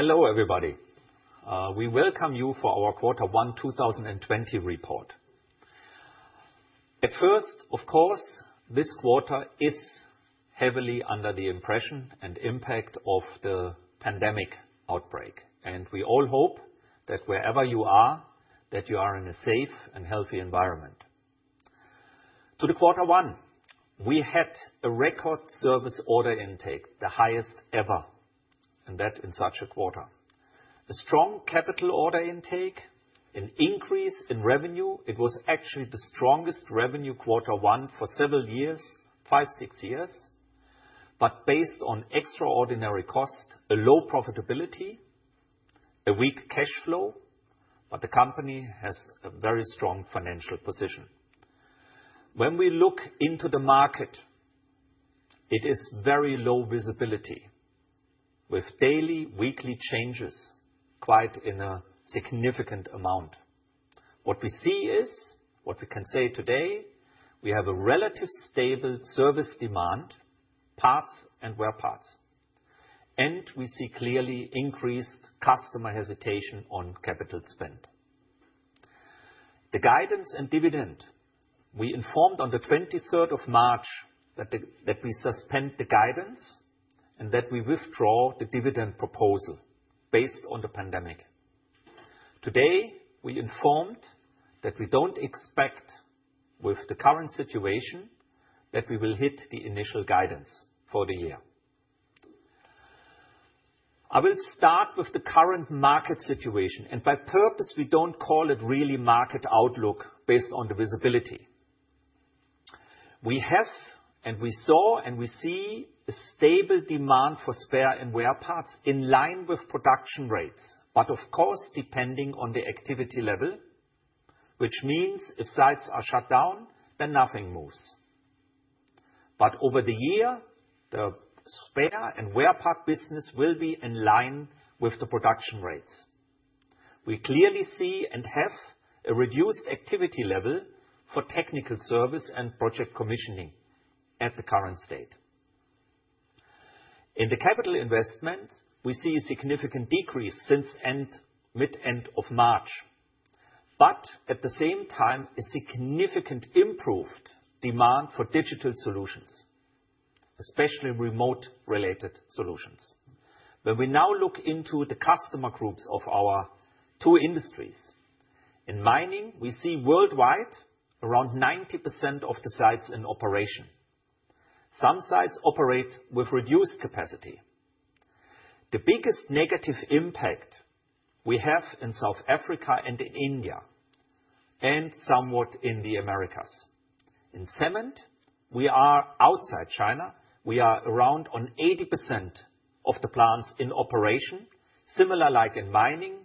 Hello, everybody. We welcome you for our quarter one 2020 report. At first, of course, this quarter is heavily under the impression and impact of the pandemic outbreak, and we all hope that wherever you are, that you are in a safe and healthy environment. To the quarter one, we had a record service order intake, the highest ever, and that in such a quarter. A strong capital order intake, an increase in revenue. It was actually the strongest revenue quarter one for several years, five, six years. But based on extraordinary cost, a low profitability, a weak cash flow, but the company has a very strong financial position. When we look into the market, it is very low visibility, with daily, weekly changes, quite in a significant amount. What we see is, what we can say today, we have a relatively stable service demand, parts and wear parts, and we see clearly increased customer hesitation on capital spend. The guidance and dividend, we informed on the 23rd of March that that we suspend the guidance and that we withdraw the dividend proposal based on the pandemic. Today, we informed that we don't expect, with the current situation, that we will hit the initial guidance for the year. I will start with the current market situation, and on purpose, we don't call it really market outlook based on the visibility. We have, and we saw, and we see a stable demand for spare and wear parts in line with production rates, but of course depending on the activity level, which means if sites are shut down, then nothing moves. But over the year, the spare and wear part business will be in line with the production rates. We clearly see and have a reduced activity level for technical service and project commissioning at the current state. In the capital investment, we see a significant decrease since mid-end of March, but at the same time, a significant improved demand for digital solutions, especially remote-related solutions. When we now look into the customer groups of our two industries, in mining, we see worldwide around 90% of the sites in operation. Some sites operate with reduced capacity. The biggest negative impact we have in South Africa and in India, and somewhat in the Americas. In cement, we are outside China. We are around 80% of the plants in operation, similar like in mining,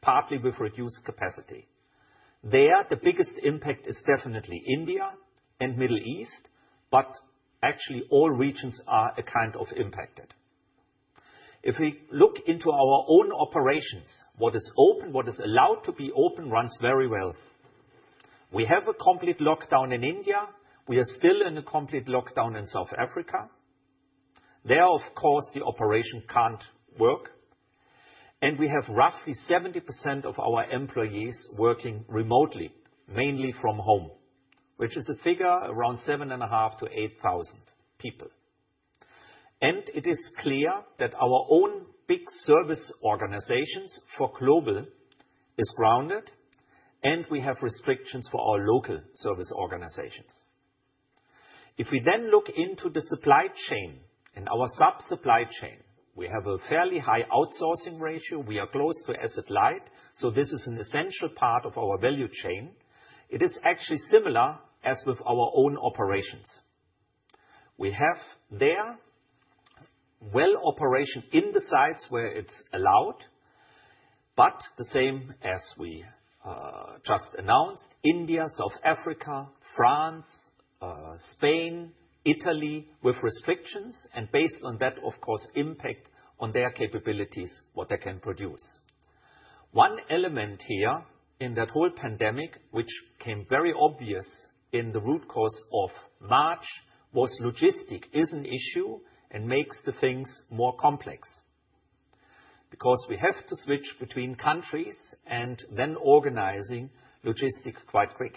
partly with reduced capacity. There, the biggest impact is definitely India and Middle East, but actually all regions are a kind of impacted. If we look into our own operations, what is open, what is allowed to be open, runs very well. We have a complete lockdown in India. We are still in a complete lockdown in South Africa. There, of course, the operation can't work, and we have roughly 70% of our employees working remotely, mainly from home, which is a figure around seven and a half to eight thousand people, and it is clear that our own big service organizations for global is grounded, and we have restrictions for our local service organizations. If we then look into the supply chain and our sub-supply chain, we have a fairly high outsourcing ratio. We are close to asset-light, so this is an essential part of our value chain. It is actually similar as with our own operations. We have there well operation in the sites where it's allowed, but the same as we just announced, India, South Africa, France, Spain, Italy, with restrictions, and based on that, of course, impact on their capabilities, what they can produce. One element here in that whole pandemic, which came very obvious in the root course of March, was logistics is an issue and makes the things more complex. Because we have to switch between countries and then organizing logistics quite quick,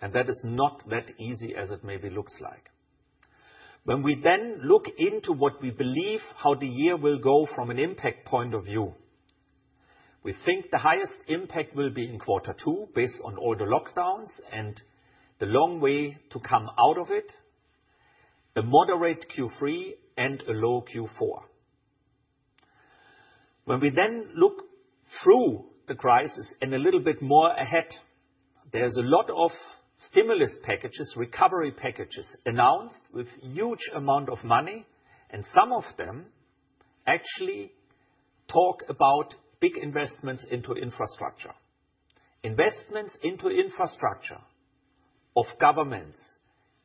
and that is not that easy as it maybe looks like. When we then look into what we believe how the year will go from an impact point of view, we think the highest impact will be in Quarter Two based on all the lockdowns and the long way to come out of it, a moderate Q3 and a low Q4. When we then look through the crisis and a little bit more ahead, there's a lot of stimulus packages, recovery packages announced with huge amount of money, and some of them actually talk about big investments into infrastructure. Investments into infrastructure of governments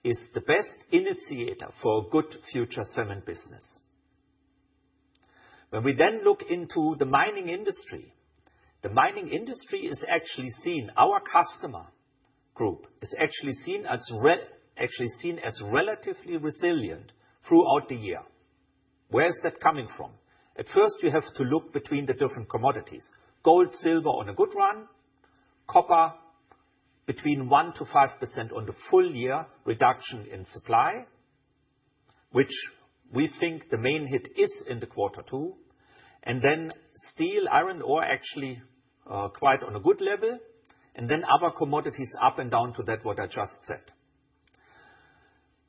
is the best initiator for a good future cement business. When we then look into the mining industry, the mining industry is actually seen, our customer group is actually seen as relatively resilient throughout the year. Where is that coming from? At first, you have to look between the different commodities: gold, silver on a good run, copper between 1% to 5% on the full year reduction in supply, which we think the main hit is in the Quarter Two, and then steel, iron ore actually, quite on a good level, and then other commodities up and down to that what I just said.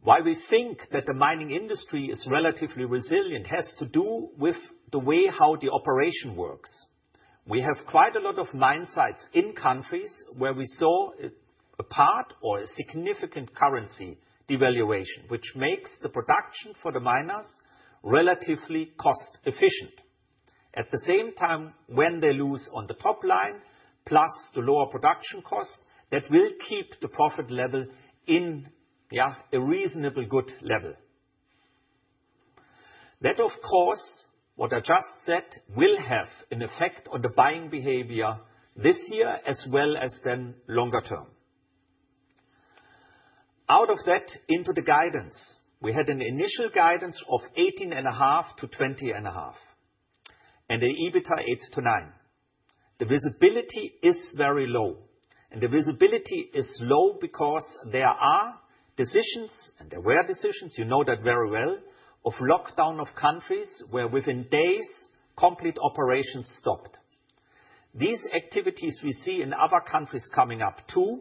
Why we think that the mining industry is relatively resilient has to do with the way how the operation works. We have quite a lot of mine sites in countries where we saw a part or a significant currency devaluation, which makes the production for the miners relatively cost-efficient. At the same time, when they lose on the top line, plus the lower production cost, that will keep the profit level in, yeah, a reasonably good level. That, of course, what I just said will have an effect on the buying behavior this year as well as then longer term. Out of that, into the guidance, we had an initial guidance of 18.5-20.5, and the EBITDA 8-9. The visibility is very low, and the visibility is low because there are decisions, and there were decisions, you know that very well, of lockdown of countries where within days complete operations stopped. These activities we see in other countries coming up too,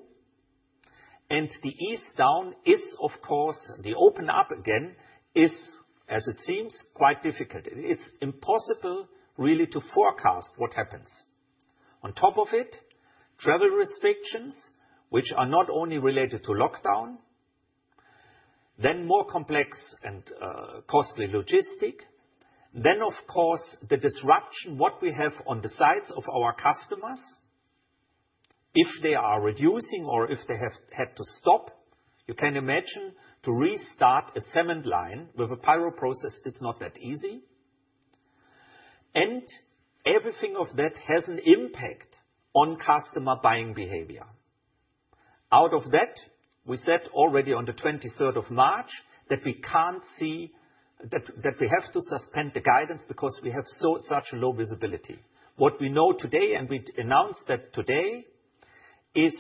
and the ease down is, of course, the open up again is, as it seems, quite difficult. It's impossible really to forecast what happens. On top of it, travel restrictions, which are not only related to lockdown, then more complex and costly logistics, then of course the disruption what we have on the sides of our customers, if they are reducing or if they have had to stop, you can imagine to restart a cement line with a pyroprocess is not that easy, and everything of that has an impact on customer buying behavior. Out of that, we said already on the 23rd of March that we can't see that, that we have to suspend the guidance because we have such a low visibility. What we know today, and we announced that today, is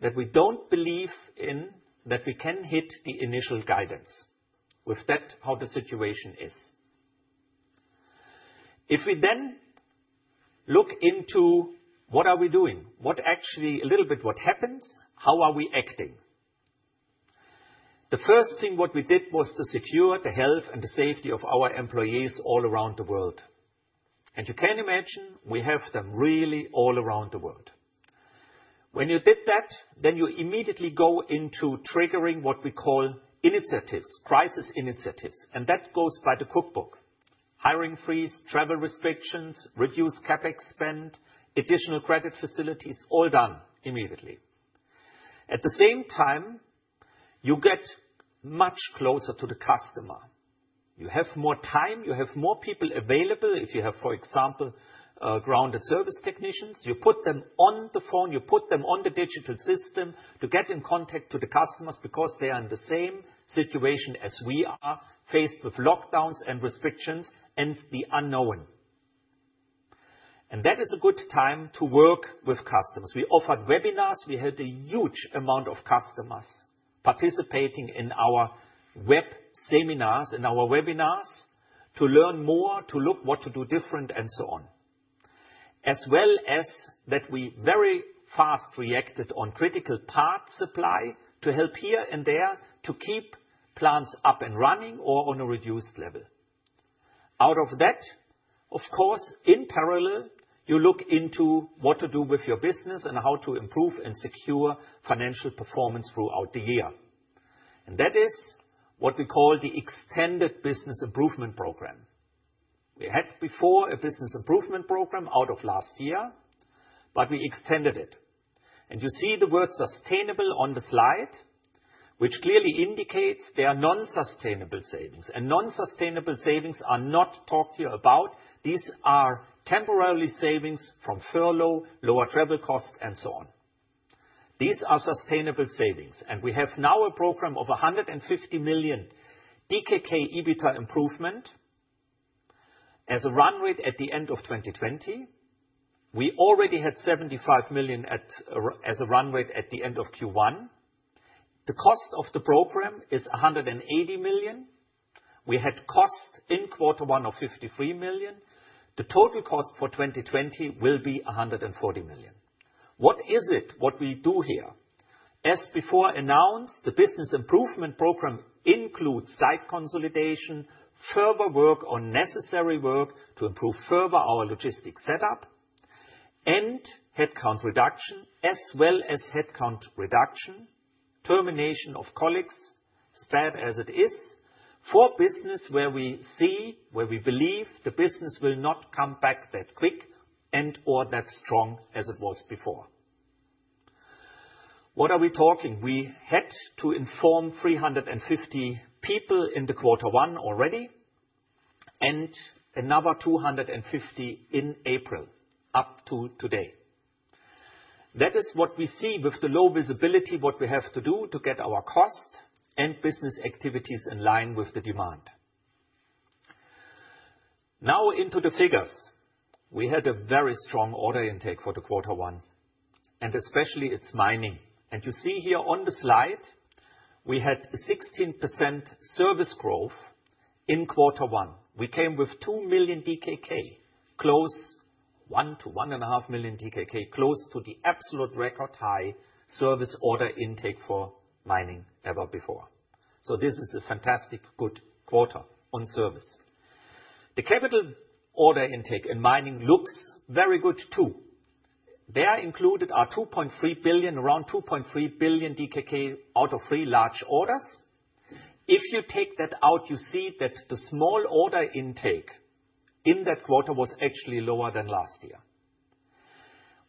that we don't believe in that we can hit the initial guidance. With that, how the situation is. If we then look into what are we doing, what actually a little bit what happens, how are we acting? The first thing what we did was to secure the health and the safety of our employees all around the world, and you can imagine we have them really all around the world. When you did that, then you immediately go into triggering what we call initiatives, crisis initiatives, and that goes by the cookbook: hiring freeze, travel restrictions, reduce CapEx spend, additional credit facilities, all done immediately. At the same time, you get much closer to the customer. You have more time, you have more people available if you have, for example, grounded service technicians, you put them on the phone, you put them on the digital system to get in contact with the customers because they are in the same situation as we are faced with lockdowns and restrictions and the unknown, and that is a good time to work with customers. We offered webinars. We had a huge amount of customers participating in our web seminars, in our webinars to learn more, to look what to do different and so on. As well as that we very fast reacted on critical part supply to help here and there to keep plants up and running or on a reduced level. Out of that, of course, in parallel, you look into what to do with your business and how to improve and secure financial performance throughout the year, and that is what we call the extended Business Improvement Program. We had before a Business Improvement Program out of last year, but we extended it, and you see the word sustainable on the slide, which clearly indicates they are non-sustainable savings. And non-sustainable savings are not talked here about. These are temporary savings from furlough, lower travel cost, and so on. These are sustainable savings, and we have now a program of 150 million DKK EBITDA improvement as a run rate at the end of 2020. We already had 75 million as a run rate at the end of Q1. The cost of the program is 180 million. We had cost in Quarter One of 53 million. The total cost for 2020 will be 140 million. What is it, what we do here? As before announced, the Business Improvement Program includes site consolidation, further work on necessary work to improve further our logistic setup, and headcount reduction, as well as termination of colleagues, as bad as it is for business where we see, where we believe the business will not come back that quick and/or that strong as it was before. What are we talking? We had to inform 350 people in the Quarter One already and another 250 in April up to today. That is what we see with the low visibility what we have to do to get our cost and business activities in line with the demand. Now into the figures. We had a very strong order intake for the Quarter One, and especially it's mining. And you see here on the slide, we had 16% service growth in Quarter One. We came with 2 billion DKK, close one to one and a half billion DKK, close to the absolute record high service order intake for mining ever before. So this is a fantastic good quarter on service. The capital order intake in mining looks very good too. There included our 2.3 billion, around 2.3 billion DKK out of three large orders. If you take that out, you see that the small order intake in that quarter was actually lower than last year.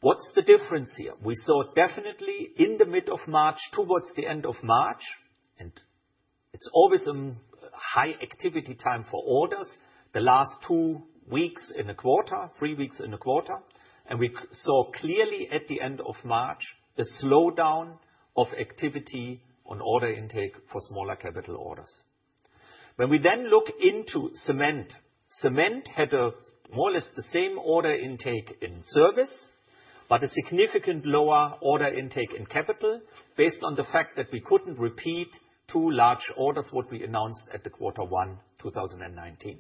What's the difference here? We saw definitely in the mid of March towards the end of March, and it's always a high activity time for orders, the last two weeks in a quarter, three weeks in a quarter, and we saw clearly at the end of March a slowdown of activity on order intake for smaller capital orders. When we then look into cement, cement had more or less the same order intake in service, but a significant lower order intake in capital based on the fact that we couldn't repeat two large orders, what we announced at the Quarter One 2019.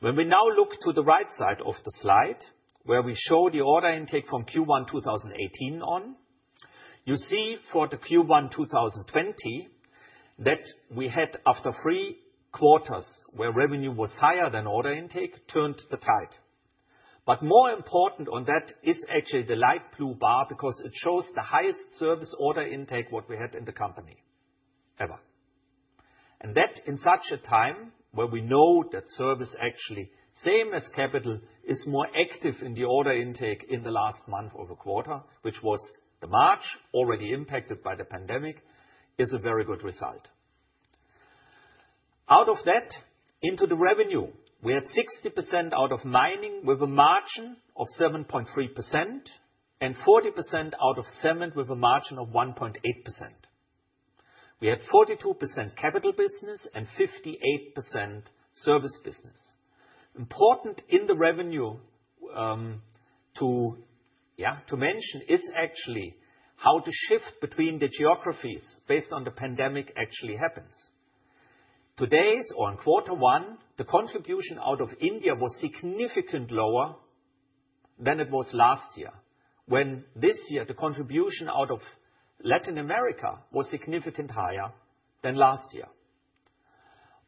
When we now look to the right side of the slide, where we show the order intake from Q1 2018 on, you see for the Q1 2020 that we had after three quarters where revenue was higher than order intake turned the tide. But more important on that is actually the light blue bar because it shows the highest service order intake what we had in the company ever. And that in such a time where we know that service actually same as capital is more active in the order intake in the last month of a quarter, which was the March already impacted by the pandemic, is a very good result. Out of that, into the revenue, we had 60% out of mining with a margin of 7.3% and 40% out of cement with a margin of 1.8%. We had 42% capital business and 58% service business. Important in the revenue to mention is actually how the shift between the geographies based on the pandemic actually happens. Today, on Quarter One, the contribution out of India was significantly lower than it was last year, when this year the contribution out of Latin America was significantly higher than last year.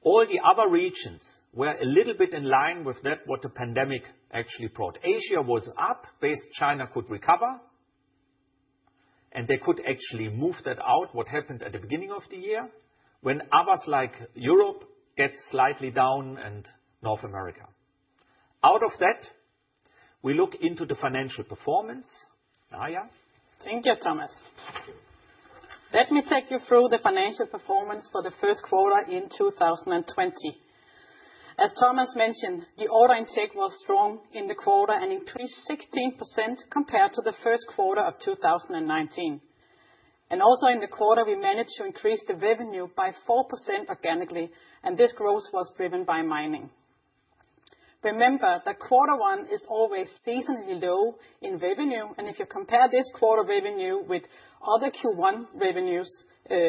All the other regions were a little bit in line with that what the pandemic actually brought. Asia was up based China could recover, and they could actually move that out what happened at the beginning of the year when others like Europe get slightly down and North America. Out of that, we look into the financial performance. Thank you, Thomas. Let me take you through the financial performance for the first quarter in 2020. As Thomas mentioned, the order intake was strong in the quarter and increased 16% compared to the first quarter of 2019. Also in the quarter, we managed to increase the revenue by 4% organically, and this growth was driven by mining. Remember that Quarter One is always seasonally low in revenue, and if you compare this quarter revenue with other Q1 revenues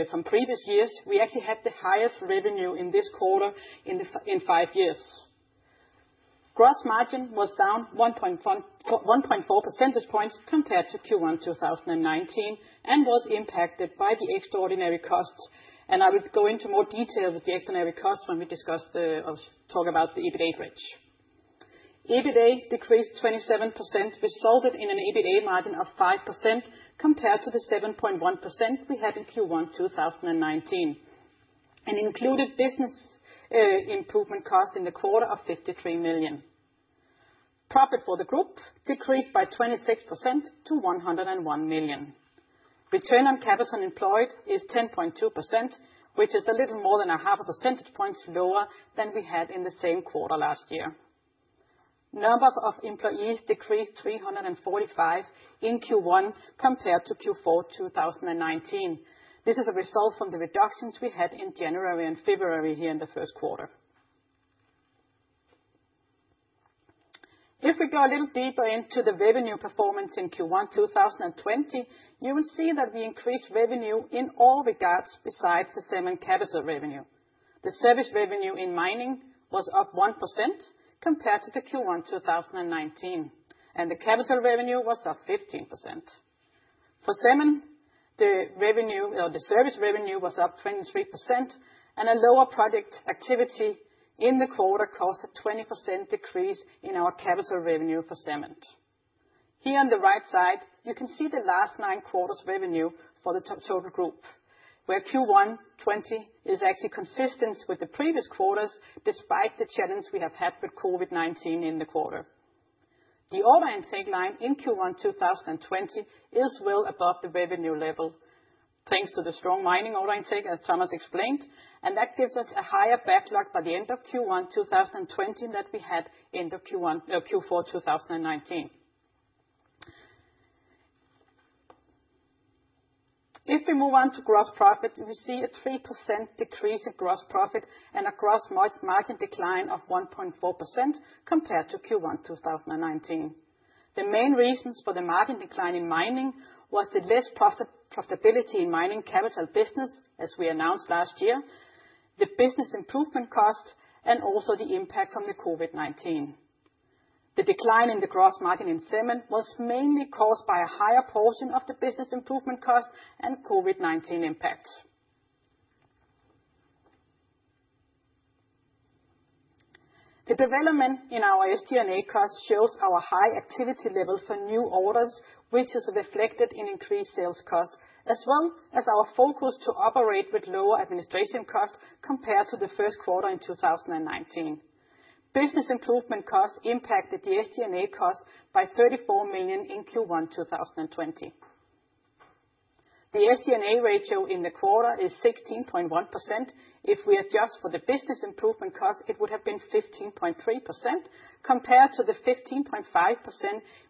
from previous years, we actually had the highest revenue in this quarter in five years. Gross margin was down 1.1-1.4 percentage points compared to Q1 2019 and was impacted by the extraordinary cost. I will go into more detail with the extraordinary cost when we discuss talk about the EBITDA range. EBITDA decreased 27%, resulted in an EBITDA margin of 5% compared to the 7.1% we had in Q1 2019, and included business improvement cost in the quarter of 53 million. Profit for the group decreased by 26% to 101 million. Return on capital employed is 10.2%, which is a little more than a half a percentage point lower than we had in the same quarter last year. Number of employees decreased 345 in Q1 compared to Q4 2019. This is a result from the reductions we had in January and February here in the first quarter. If we go a little deeper into the revenue performance in Q1 2020, you will see that we increased revenue in all regards besides the cement capital revenue. The service revenue in mining was up 1% compared to the Q1 2019, and the capital revenue was up 15%. For cement, the revenue or the service revenue was up 23%, and a lower project activity in the quarter caused a 20% decrease in our capital revenue for cement. Here on the right side, you can see the last nine quarters revenue for the total group, where Q1 2020 is actually consistent with the previous quarters despite the challenge we have had with COVID-19 in the quarter. The order intake line in Q1 2020 is well above the revenue level thanks to the strong mining order intake, as Thomas explained, and that gives us a higher backlog by the end of Q1 2020 than we had end of Q1, Q4 2019. If we move on to gross profit, we see a 3% decrease in gross profit and a gross margin decline of 1.4% compared to Q1 2019. The main reasons for the margin decline in mining was the less profitability in mining capital business, as we announced last year, the business improvement cost, and also the impact from the COVID-19. The decline in the gross margin in cement was mainly caused by a higher portion of the business improvement cost and COVID-19 impacts. The development in our SG&A cost shows our high activity level for new orders, which is reflected in increased sales cost, as well as our focus to operate with lower administration cost compared to the first quarter in 2019. Business improvement cost impacted the SG&A cost by 34 million in Q1 2020. The SG&A ratio in the quarter is 16.1%. If we adjust for the business improvement cost, it would have been 15.3% compared to the 15.5%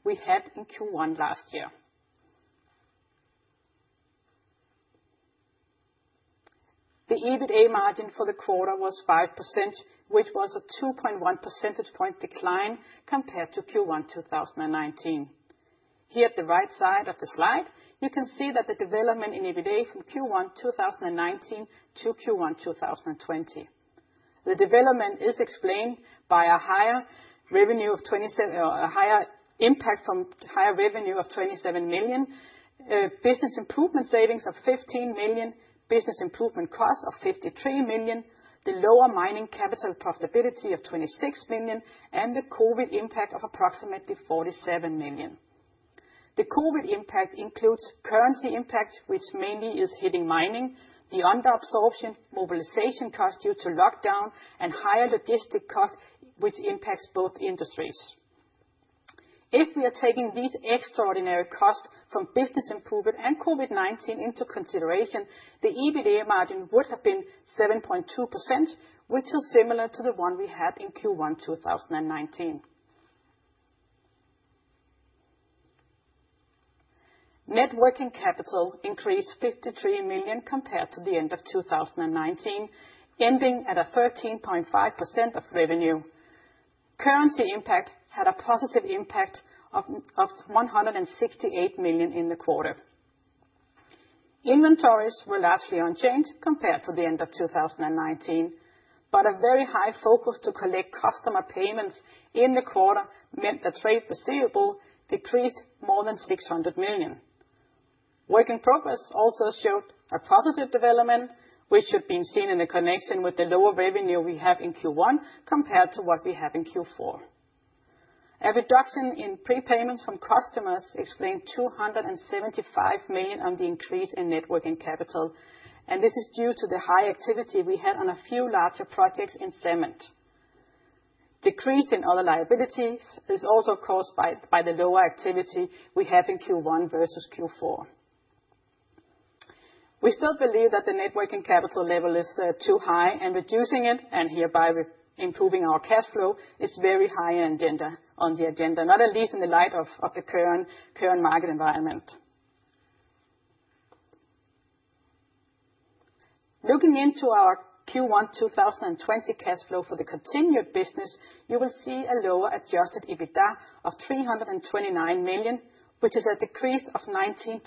we had in Q1 last year. The EBITDA margin for the quarter was 5%, which was a 2.1 percentage point decline compared to Q1 2019. Here at the right side of the slide, you can see that the development in EBITDA from Q1 2019 to Q1 2020. The development is explained by a higher revenue of 27 million or a higher impact from higher revenue of 27 million, business improvement savings of 15 million, business improvement cost of 53 million, the lower mining capital profitability of 26 million, and the COVID impact of approximately 47 million. The COVID impact includes currency impact, which mainly is hitting mining, the under-absorption mobilization cost due to lockdown, and higher logistic cost, which impacts both industries. If we are taking these extraordinary costs from business improvement and COVID-19 into consideration, the EBITDA margin would have been 7.2%, which is similar to the one we had in Q1 2019. Net working capital increased 53 million compared to the end of 2019, ending at a 13.5% of revenue. Currency impact had a positive impact of 168 million in the quarter. Inventories were largely unchanged compared to the end of 2019, but a very high focus to collect customer payments in the quarter meant that trade receivable decreased more than 600 million. Work in progress also showed a positive development, which should have been seen in the connection with the lower revenue we have in Q1 compared to what we have in Q4. A reduction in prepayments from customers explained 275 million on the increase in net working capital, and this is due to the high activity we had on a few larger projects in cement. Decrease in other liabilities is also caused by the lower activity we have in Q1 versus Q4. We still believe that the net working capital level is too high, and reducing it and hereby improving our cash flow is very high on the agenda, not least in the light of the current market environment. Looking into our Q1 2020 cash flow for the continued business, you will see a lower adjusted EBITDA of 329 million, which is a decrease of 19%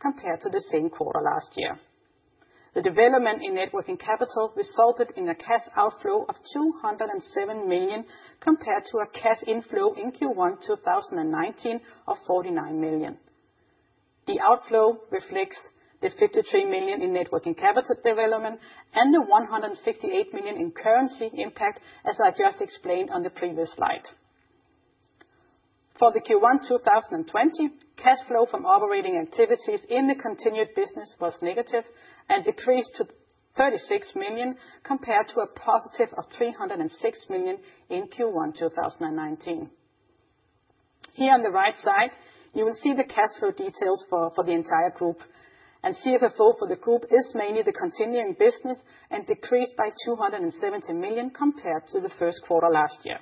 compared to the same quarter last year. The development in net working capital resulted in a cash outflow of 207 million compared to a cash inflow in Q1 2019 of 49 million. The outflow reflects the 53 million in net working capital development and the 168 million in currency impact, as I just explained on the previous slide. For the Q1 2020, cash flow from operating activities in the continued business was negative and decreased to 36 million compared to a positive of 306 million in Q1 2019. Here on the right side, you will see the cash flow details for the entire group, and CFFO for the group is mainly the continuing business and decreased by 270 million compared to the first quarter last year.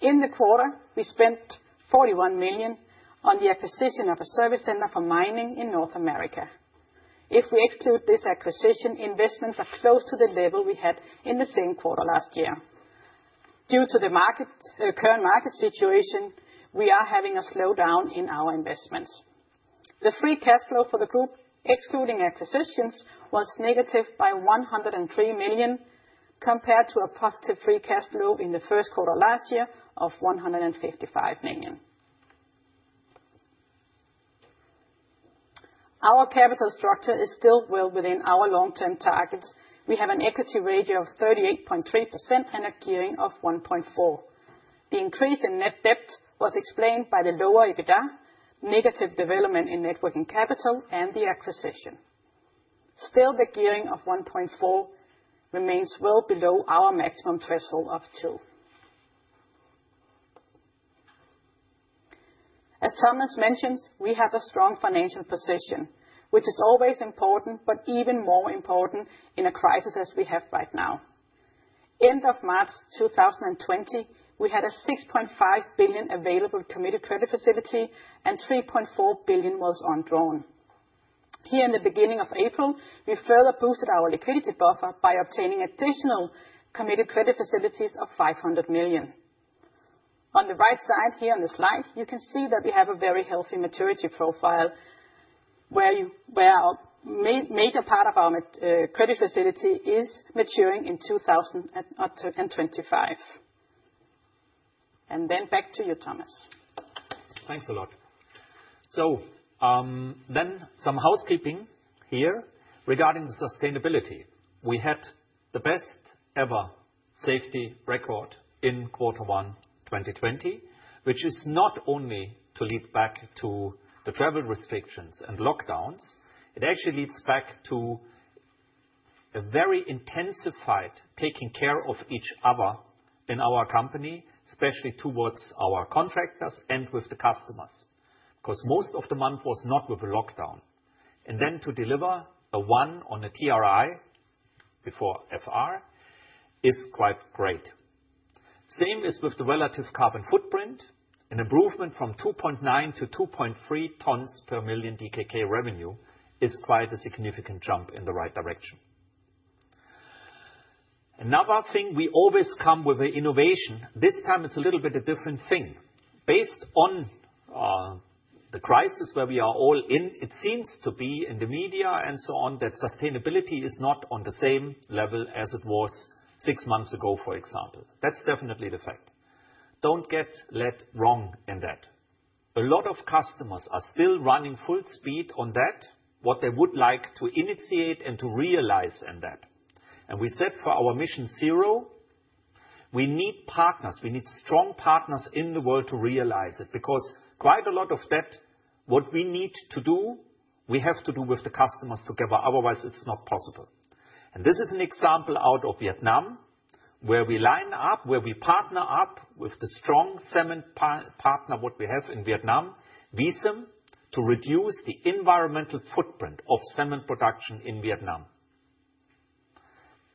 In the quarter, we spent 41 million on the acquisition of a service center for mining in North America. If we exclude this acquisition, investments are close to the level we had in the same quarter last year. Due to the market, current market situation, we are having a slowdown in our investments. The free cash flow for the group, excluding acquisitions, was negative by 103 million compared to a positive free cash flow in the first quarter last year of 155 million. Our capital structure is still well within our long-term targets. We have an equity ratio of 38.3% and a gearing of 1.4. The increase in net debt was explained by the lower EBITDA, negative development in net working capital, and the acquisition. Still, the gearing of 1.4 remains well below our maximum threshold of 2. As Thomas mentioned, we have a strong financial position, which is always important, but even more important in a crisis as we have right now. End of March 2020, we had a 6.5 billion available committed credit facility and 3.4 billion was undrawn. Here in the beginning of April, we further boosted our liquidity buffer by obtaining additional committed credit facilities of 500 million. On the right side here on the slide, you can see that we have a very healthy maturity profile where our major part of our credit facility is maturing in 2025. And then back to you, Thomas. Thanks a lot. So, then some housekeeping here regarding the sustainability. We had the best-ever safety record in Quarter One 2020, which is not only to lead back to the travel restrictions and lockdowns. It actually leads back to a very intensified taking care of each other in our company, especially towards our contractors and with the customers, because most of the month was not with a lockdown, and then to deliver a one on a LTIFR is quite great. Same is with the relative carbon footprint. An improvement from 2.9 to 2.3 tons per million DKK revenue is quite a significant jump in the right direction. Another thing, we always come with an innovation. This time, it's a little bit a different thing. Based on the crisis where we are all in, it seems to be in the media and so on that sustainability is not on the same level as it was six months ago, for example. That's definitely the fact. Don't get led wrong in that. A lot of customers are still running full speed on that, what they would like to initiate and to realize in that. And we said for our MissionZero, we need partners. We need strong partners in the world to realize it, because quite a lot of that, what we need to do, we have to do with the customers together. Otherwise, it's not possible. And this is an example out of Vietnam, where we line up, where we partner up with the strong cement partner what we have in Vietnam, VICEM, to reduce the environmental footprint of cement production in Vietnam.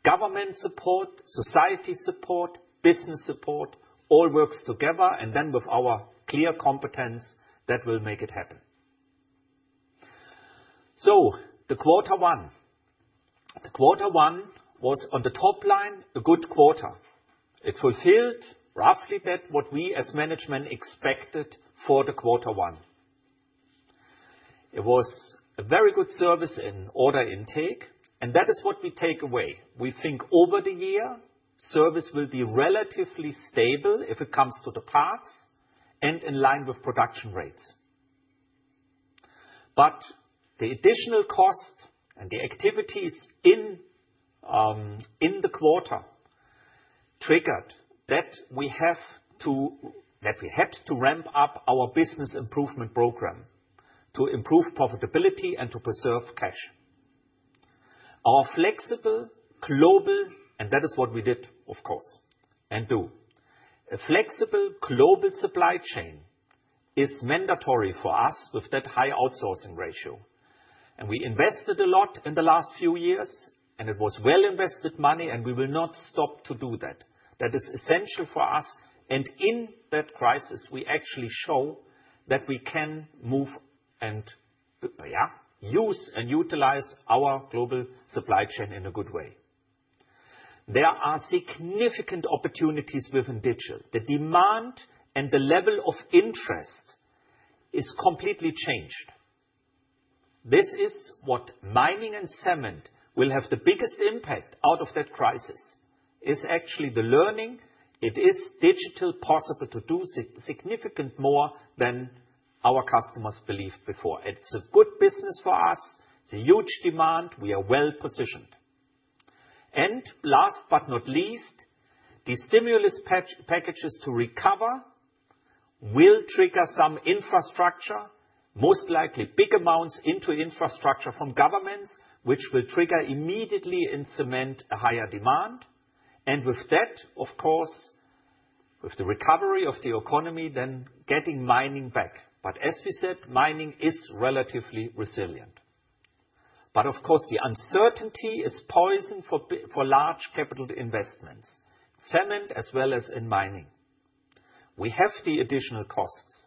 Government support, society support, business support, all works together, and then with our clear competence, that will make it happen. So, the Quarter One. The Quarter One was on the top line, a good quarter. It fulfilled roughly that what we as management expected for the Quarter One. It was a very good service in order intake, and that is what we take away. We think over the year, service will be relatively stable if it comes to the parts and in line with production rates, but the additional cost and the activities in the quarter triggered that we had to ramp up our business improvement program to improve profitability and to preserve cash. Our flexible global, and that is what we did, of course, and do. A flexible global supply chain is mandatory for us with that high outsourcing ratio, and we invested a lot in the last few years, and it was well invested money, and we will not stop to do that. That is essential for us, and in that crisis, we actually show that we can move and, yeah, use and utilize our global supply chain in a good way. There are significant opportunities within digital. The demand and the level of interest is completely changed. This is what mining and cement will have the biggest impact out of that crisis. It's actually the learning. It is digital possible to do significant more than our customers believed before. It's a good business for us. It's a huge demand. We are well positioned. Last but not least, the stimulus packages to recover will trigger some infrastructure, most likely big amounts into infrastructure from governments, which will trigger immediately in cement a higher demand. With that, of course, with the recovery of the economy, then getting mining back. As we said, mining is relatively resilient. But of course, the uncertainty is poison for large capital investments, cement as well as in mining. We have the additional costs,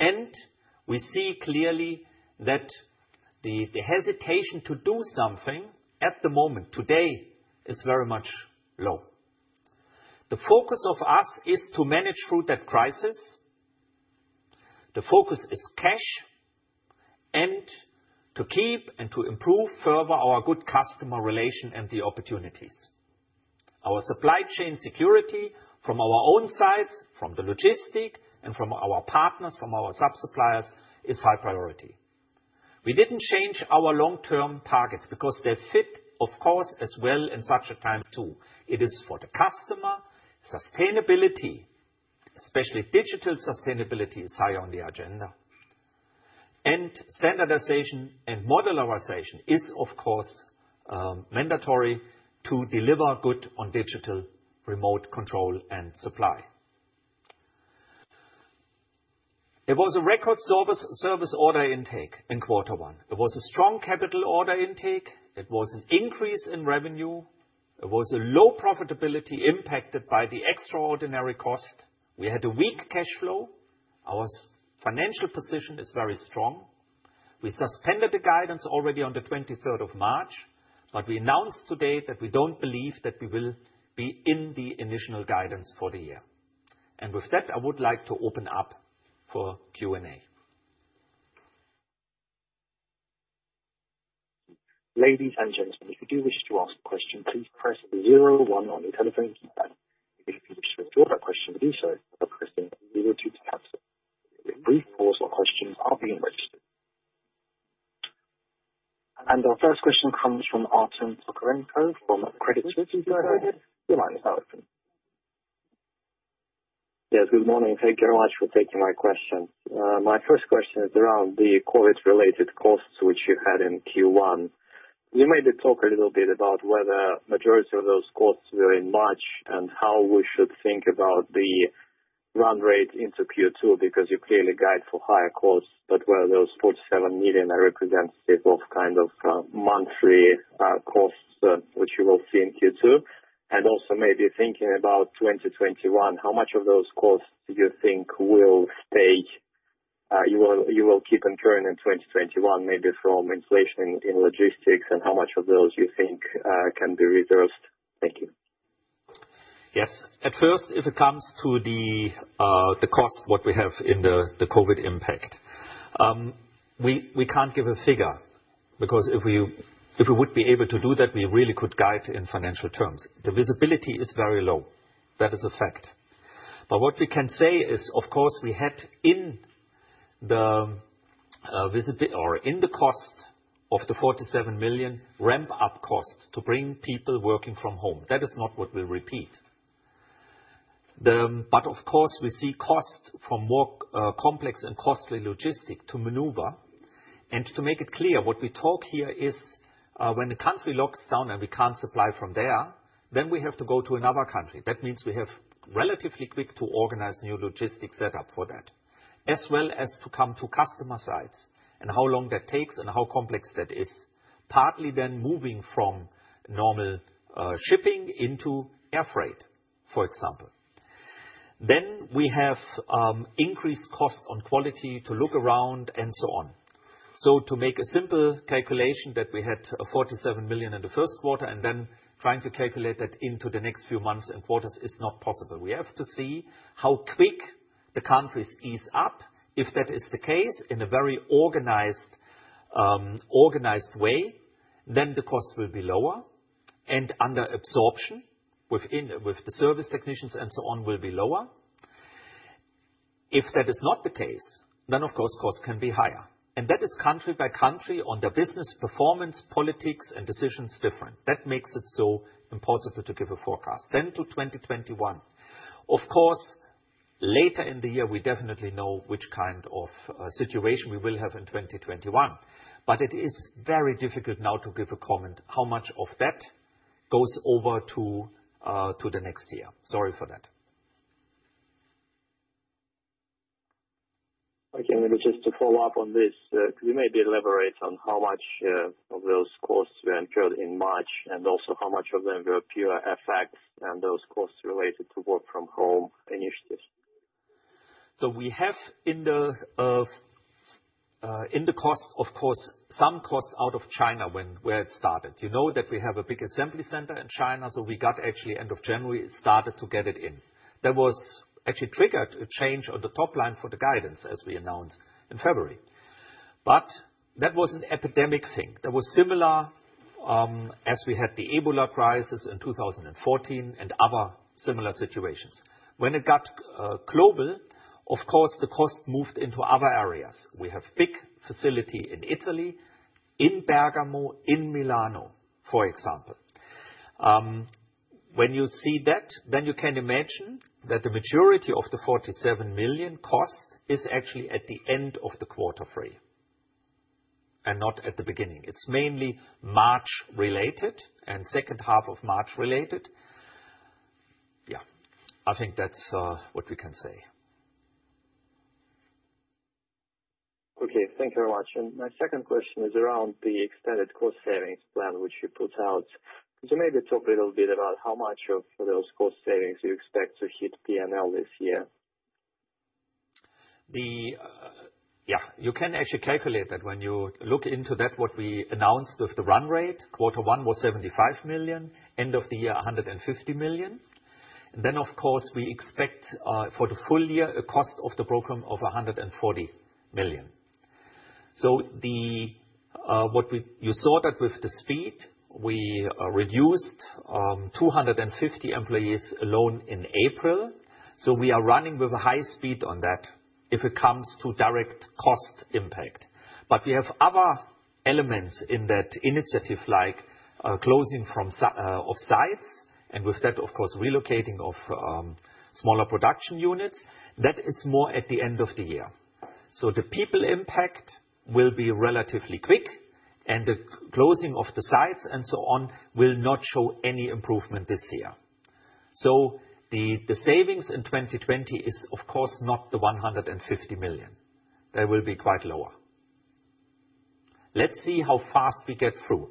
and we see clearly that the hesitation to do something at the moment today is very much low. The focus of us is to manage through that crisis. The focus is cash and to keep and to improve further our good customer relation and the opportunities. Our supply chain security from our own sides, from the logistic and from our partners, from our subsuppliers is high priority. We didn't change our long-term targets because they fit, of course, as well in such a time too. It is for the customer. Sustainability, especially digital sustainability, is high on the agenda. And standardization and modernization is, of course, mandatory to deliver good on digital remote control and supply. It was a record service order intake in Quarter One. It was a strong capital order intake. It was an increase in revenue. It was a low profitability impacted by the extraordinary cost. We had a weak cash flow. Our financial position is very strong. We suspended the guidance already on the 23rd of March, but we announced today that we don't believe that we will be in the initial guidance for the year. And with that, I would like to open up for Q&A. Ladies and gentlemen, if you do wish to ask a question, please press 01 on your telephone keypad. If you wish to withdraw that question, do so by pressing 02 to cancel. Brief pause while questions are being registered. And our first question comes from Artem Tokarenko from Credit Suisse. Your line is now open.. Yes, good morning, Thank you very much for taking my question. My first question is around the COVID-related costs which you had in Q1. You mentioned a little bit about whether the majority of those costs were in March and how we should think about the run rate into Q2 because you clearly guide for higher costs, but whether those 47 million are representative of kind of monthly costs which you will see in Q2. And also maybe thinking about 2021, how much of those costs do you think will stay? You will keep incurring in 2021 maybe from inflation in logistics and how much of those you think can be reversed? Thank you. Yes At first, if it comes to the cost, what we have in the COVID impact, we can't give a figure because if we would be able to do that, we really could guide in financial terms. The visibility is very low. That is a fact. But what we can say is, of course, we had in the visibility or in the cost the 47 million ramp-up cost to bring people working from home. That is not what we'll repeat, but of course, we see cost for more complex and costly logistics to maneuver. And to make it clear, what we talk here is, when the country locks down and we can't supply from there, then we have to go to another country. That means we have relatively quick to organize new logistic setup for that, as well as to come to customer sites and how long that takes and how complex that is, partly then moving from normal shipping into air freight, for example. Then we have increased cost on quality to look around and so on. So to make a simple calculation that we had 47 million in the first quarter and then trying to calculate that into the next few months and quarters is not possible. We have to see how quick the countries ease up. If that is the case in a very organized, organized way, then the cost will be lower and under absorption within with the service technicians and so on will be lower. If that is not the case, then of course cost can be higher. And that is country by country on the business performance policies and decisions different. That makes it so impossible to give a forecast then to 2021. Of course, later in the year, we definitely know which kind of situation we will have in 2021. But it is very difficult now to give a comment how much of that goes over to the next year. Sorry for that. Okay. Maybe just to follow up on this, could you maybe elaborate on how much of those costs were incurred in March and also how much of them were FX effects and those costs related to work from home initiatives? So we have in the cost, of course, some cost out of China where it started. You know that we have a big assembly center in China, so we got actually end of January, it started to get it in. That was actually triggered a change on the top line for the guidance as we announced in February. But that was an epidemic thing. There was similar, as we had the Ebola crisis in 2014 and other similar situations. When it got, global, of course, the cost moved into other areas. We have big facility in Italy, in Bergamo, in Milan, for example. When you see that, then you can imagine that the maturity of the 47 million cost is actually at the end of the quarter three and not at the beginning. It's mainly March related and second half of March related. Yeah. I think that's what we can say. Okay. Thank you very much. And my second question is around the extended cost savings plan which you put out. Could you maybe talk a little bit about how much of those cost savings you expect to hit P&L this year? Yeah, you can actually calculate that when you look into that, what we announced with the run rate, quarter one was 75 million, end of the year 150 million. And then, of course, we expect, for the full year, a cost of the program of 140 million. So what you saw that with the speed, we reduced 250 employees alone in April. So we are running with a high speed on that if it comes to direct cost impact. But we have other elements in that initiative like closing of sites and with that, of course, relocating of smaller production units. That is more at the end of the year. So the people impact will be relatively quick and the closing of the sites and so on will not show any improvement this year. So the savings in 2020 is, of course, not the 150 million. They will be quite lower. Let's see how fast we get through.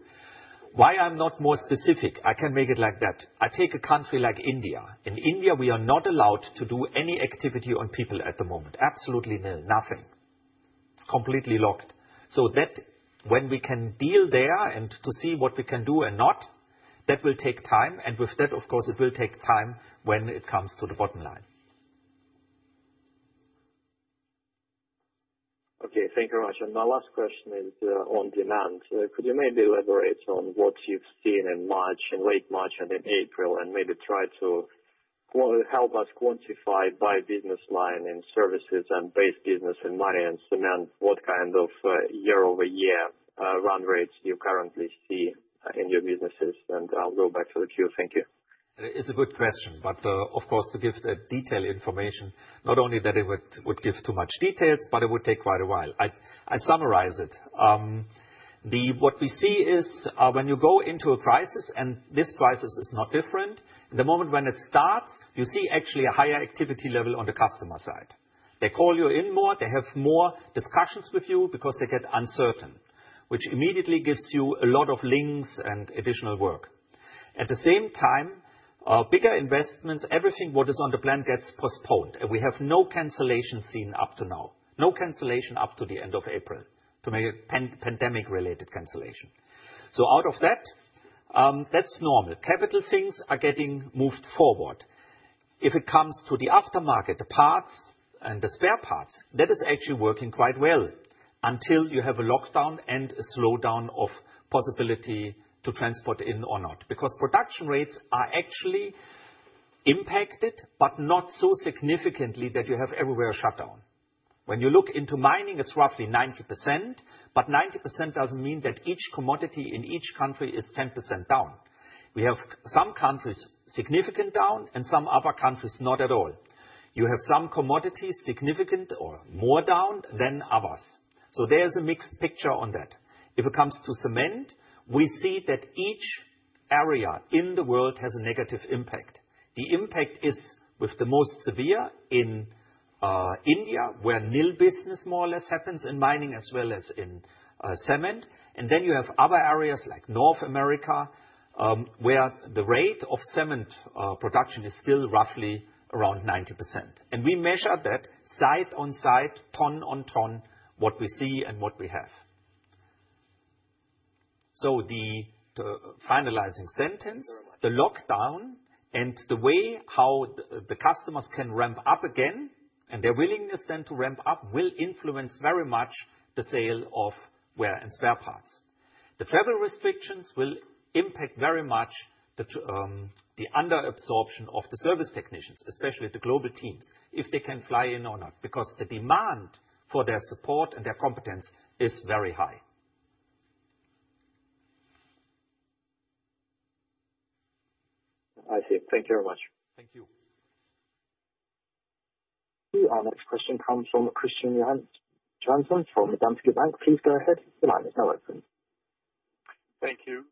Why I'm not more specific? I can make it like that. I take a country like India. In India, we are not allowed to do any activity on people at the moment. Absolutely nil. Nothing. It's completely locked. So that when we can deal there and to see what we can do and not, that will take time. And with that, of course, it will take time when it comes to the bottom line. Okay. Thank you very much. And my last question is on demand. Could you maybe elaborate on what you've seen in March and late March and in April and maybe try to help us quantify by business line and services and base business and mining and cement what kind of year-over-year run rates you currently see in your businesses? And I'll go back to the queue. Thank you. It's a good question, but, of course, to give the detailed information, not only that it would give too much detail, but it would take quite a while. I summarize it. What we see is, when you go into a crisis and this crisis is not different, in the moment when it starts, you see actually a higher activity level on the customer side. They call you in more. They have more discussions with you because they get uncertain, which immediately gives you a lot of leads and additional work. At the same time, bigger investments, everything what is on the plan gets postponed. And we have no cancellation seen up to now. No cancellation up to the end of April to make a pandemic-related cancellation. So out of that, that's normal. Capital things are getting moved forward. If it comes to the aftermarket, the parts and the spare parts, that is actually working quite well until you have a lockdown and a slowdown of possibility to transport in or not because production rates are actually impacted, but not so significantly that you have everywhere a shutdown. When you look into mining, it's roughly 90%, but 90% doesn't mean that each commodity in each country is 10% down. We have some countries significantly down and some other countries not at all. You have some commodities significantly or more down than others. So there's a mixed picture on that. If it comes to cement, we see that each area in the world has a negative impact. The impact is with the most severe in India, where nil business more or less happens in mining as well as in cement, and then you have other areas like North America, where the rate of cement production is still roughly around 90%. And we measure that side on side, ton on ton, what we see and what we have, so the finalizing sentence, the lockdown and the way how the customers can ramp up again and their willingness then to ramp up will influence very much the sale of wear and spare parts. The travel restrictions will impact very much the underabsorption of the service technicians, especially the global teams, if they can fly in or not because the demand for their support and their competence is very high. I see. Thank you very much. Thank you. Our next question comes from Kristian Johansen from Danske Bank. Please go ahead. The line is now open. Thank you.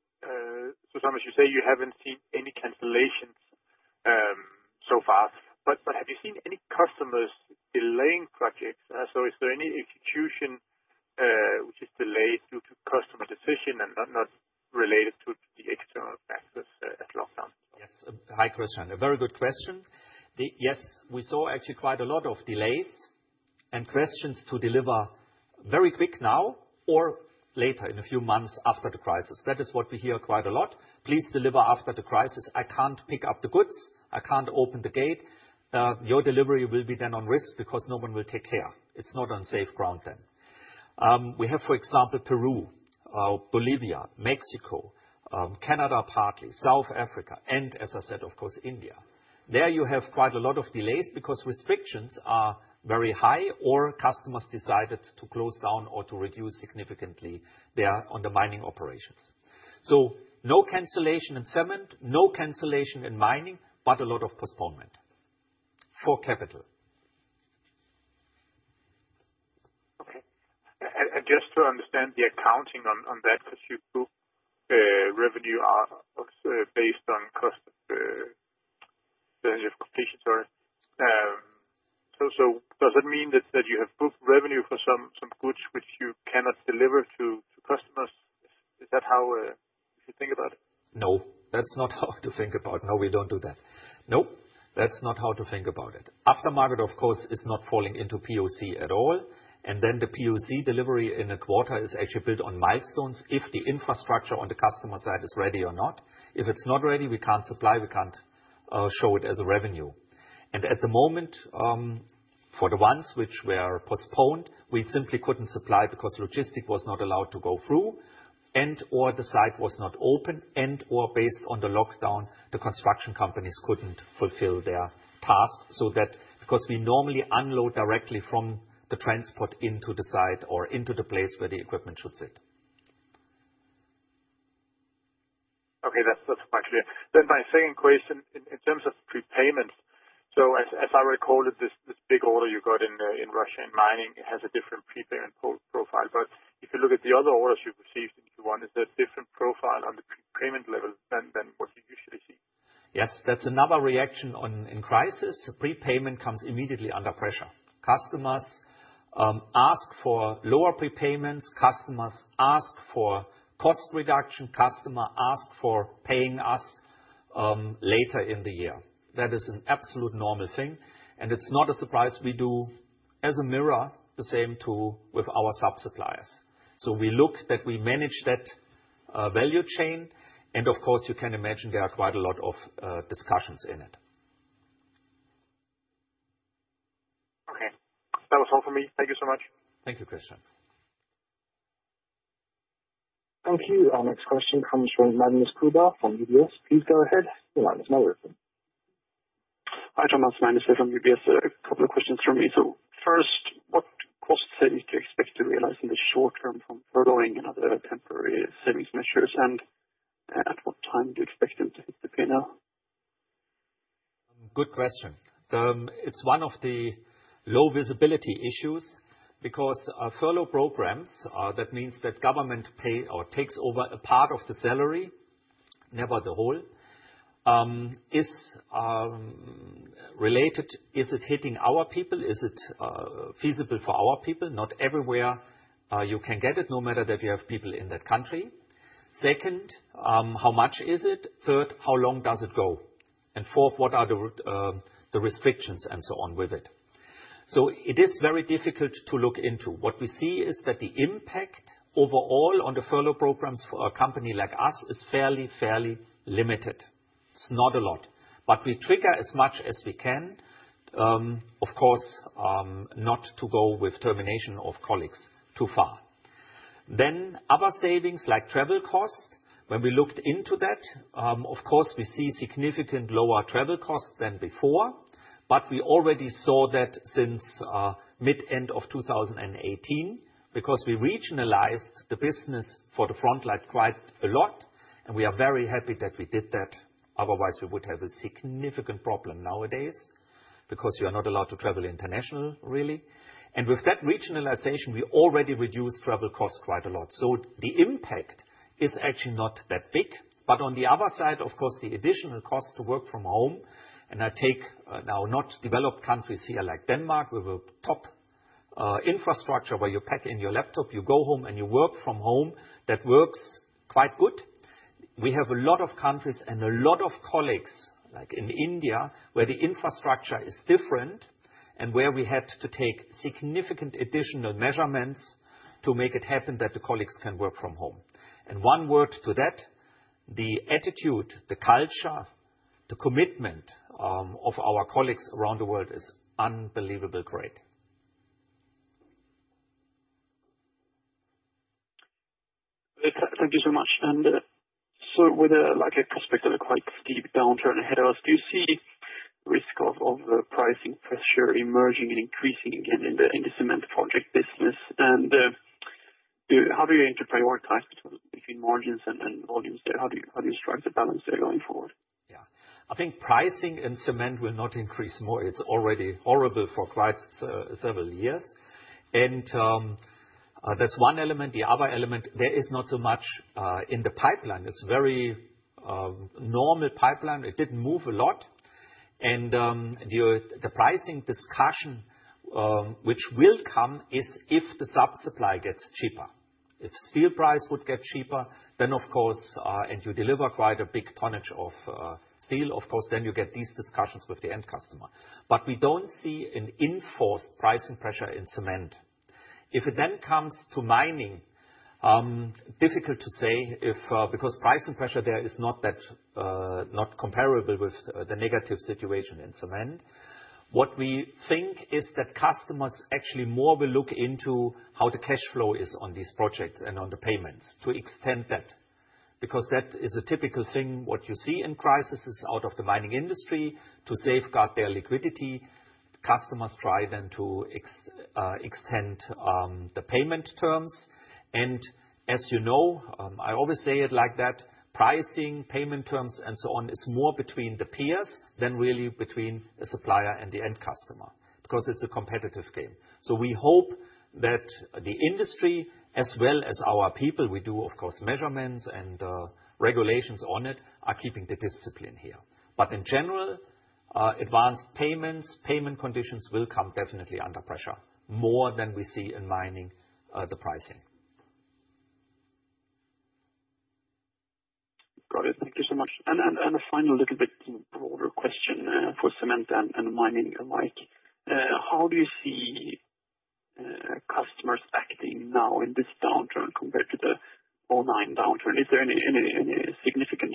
So, Thomas, you say you haven't seen any cancellations so far, but have you seen any customers delaying projects? So is there any execution which is delayed due to customer decision and not related to the external factors at lockdown? Yes. A high question. A very good question. Yes, we saw actually quite a lot of delays and questions to deliver very quick now or later in a few months after the crisis. That is what we hear quite a lot. Please deliver after the crisis. I can't pick up the goods. I can't open the gate. Your delivery will be then on risk because no one will take care. It's not on safe ground then. We have, for example, Peru, Bolivia, Mexico, Canada partly, South Africa, and as I said, of course, India. There you have quite a lot of delays because restrictions are very high or customers decided to close down or to reduce significantly their mining operations. So no cancellation in cement, no cancellation in mining, but a lot of postponement for capital. Okay. And just to understand the accounting on that, because your revenue are based on percentage of completion, sorry. So does that mean that you have booked revenue for some goods which you cannot deliver to customers? Is that how you think about it? No, that's not how to think about. No, we don't do that. No, that's not how to think about it. Aftermarket, of course, is not falling into POC at all. And then the POC delivery in a quarter is actually built on milestones if the infrastructure on the customer side is ready or not. If it's not ready, we can't supply. We can't show it as a revenue. And at the moment, for the ones which were postponed, we simply couldn't supply because logistics was not allowed to go through and or the site was not open and or based on the lockdown, the construction companies couldn't fulfill their task so that because we normally unload directly from the transport into the site or into the place where the equipment should sit. Okay. That's quite clear. Then my second question in terms of prepayments. So as I recall it, this big order you got in Russia in mining has a different prepayment profile. But if you look at the other orders you received in Q1, is there a different profile on the prepayment level than what you usually see? Yes. That's another reaction on in crisis. Prepayment comes immediately under pressure. Customers ask for lower prepayments. Customers ask for cost reduction. Customer ask for paying us later in the year. That is an absolute normal thing. And it's not a surprise. We do as a mirror the same to with our subsuppliers. So we look that we manage that value chain. And of course, you can imagine there are quite a lot of discussions in it. Okay. That was all for me. Thank you so much. Thank you, Christian. Thank you. Our next question comes from Magnus Kruber from UBS. Please go ahead. Hi, Thomas. Magnus here from UBS. A couple of questions from me. So first, what cost savings do you expect to realize in the short term from furloughing and other temporary savings measures? And at what time do you expect them to hit the P&L? Good question. It's one of the low visibility issues because furlough programs, that means that government pay or takes over a part of the salary, never the whole, is related. Is it hitting our people? Is it feasible for our people? Not everywhere, you can get it no matter that you have people in that country. Second, how much is it? Third, how long does it go? And fourth, what are the restrictions and so on with it? So it is very difficult to look into. What we see is that the impact overall on the furlough programs for a company like us is fairly, fairly limited. It's not a lot, but we trigger as much as we can, of course, not to go with termination of colleagues too far. Then other savings like travel cost. When we looked into that, of course, we see significant lower travel cost than before, but we already saw that since mid-end of 2018 because we regionalized the business for the front line quite a lot. And we are very happy that we did that. Otherwise, we would have a significant problem nowadays because you are not allowed to travel international, really. And with that regionalization, we already reduced travel cost quite a lot. So the impact is actually not that big. But on the other side, of course, the additional cost to work from home. In developed countries here like Denmark with top infrastructure where you plug in your laptop, you go home and you work from home. That works quite good. We have a lot of countries and a lot of colleagues like in India where the infrastructure is different and where we had to take significant additional measures to make it happen that the colleagues can work from home. One word to that, the attitude, the culture, the commitment, of our colleagues around the world is unbelievably great. Thank you so much. So with, like, a perspective of quite deep downturn ahead of us, do you see the risk of the pricing pressure emerging and increasing again in the cement project business? How do you aim to prioritize between margins and volumes there? How do you strike the balance there going forward? Yeah. I think pricing in cement will not increase more. It's already horrible for quite several years. And that's one element. The other element, there is not so much in the pipeline. It's very normal pipeline. It didn't move a lot. And the pricing discussion, which will come, is if the supply gets cheaper. If steel price would get cheaper, then of course, and you deliver quite a big tonnage of steel, of course, then you get these discussions with the end customer. But we don't see an intense pricing pressure in cement. If it then comes to mining, difficult to say if, because pricing pressure there is not that not comparable with the negative situation in cement. What we think is that customers actually more will look into how the cash flow is on these projects and on the payments to extend that because that is a typical thing. What you see in crisis is out of the mining industry to safeguard their liquidity. Customers try then to extend the payment terms. And as you know, I always say it like that, pricing, payment terms, and so on is more between the peers than really between the supplier and the end customer because it's a competitive game. So we hope that the industry as well as our people, we do, of course, measurements and regulations on it, are keeping the discipline here. But in general, advanced payments, payment conditions will come definitely under pressure more than we see in mining, the pricing. Got it. Thank you so much. A final little bit broader question, for cement and mining alike. How do you see customers acting now in this downturn compared to the '09 downturn? Is there any significant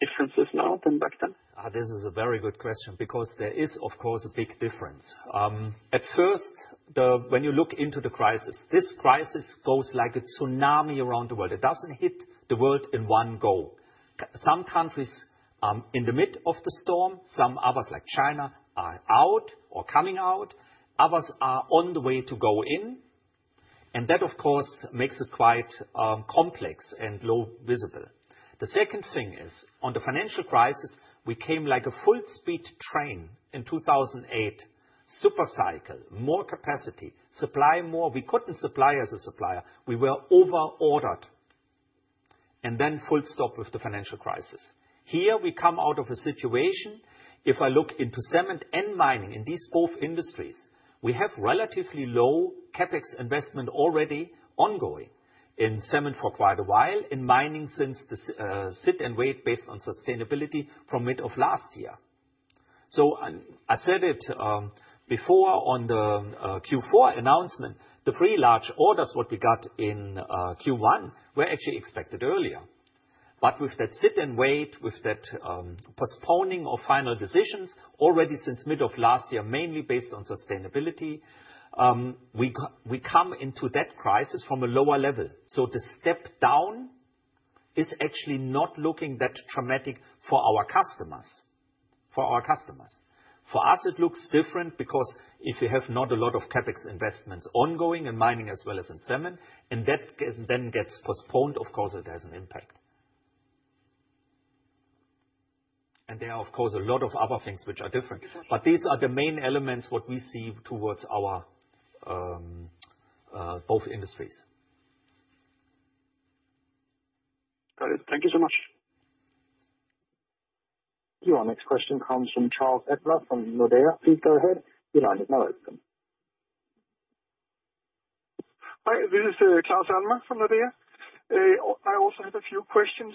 differences now than back then? This is a very good question because there is, of course, a big difference. At first, then when you look into the crisis, this crisis goes like a tsunami around the world. It doesn't hit the world in one go. Some countries, in the mid of the storm, some others like China are out or coming out. Others are on the way to go in. And that, of course, makes it quite complex and low visible. The second thing is on the financial crisis, we came like a full-speed train in 2008, super cycle, more capacity, supply more. We couldn't supply as a supplier. We were overordered. Then full stop with the financial crisis. Here we come out of a situation. If I look into cement and mining in these both industries, we have relatively low CapEx investment already ongoing in cement for quite a while in mining since the sit and wait based on sustainability from mid of last year. So I said it before on the Q4 announcement. The three large orders what we got in Q1 were actually expected earlier. But with that sit and wait, with that postponing of final decisions already since mid of last year, mainly based on sustainability, we come into that crisis from a lower level. So the step down is actually not looking that traumatic for our customers. For our customers. For us, it looks different because if you have not a lot of CapEx investments ongoing in mining as well as in cement, and that then gets postponed, of course, it has an impact. And there are, of course, a lot of other things which are different. But these are the main elements what we see towards our both industries. Got it. Thank you so much. Your next question comes from Claus Almer from Nordea. Please go ahead. You're on it now. Hi, this is Claus Almer from Nordea. I also have a few questions.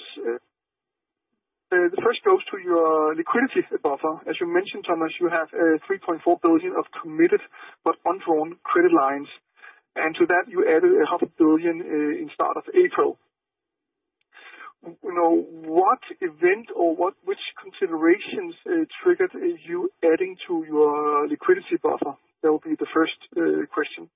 The first goes to your liquidity buffer. As you mentioned, Thomas, you have 3.4 billion of committed but undrawn credit lines. And to that, you added 0.5 billion in start of April. You know, what event or which considerations triggered you adding to your liquidity buffer? That will be the first question.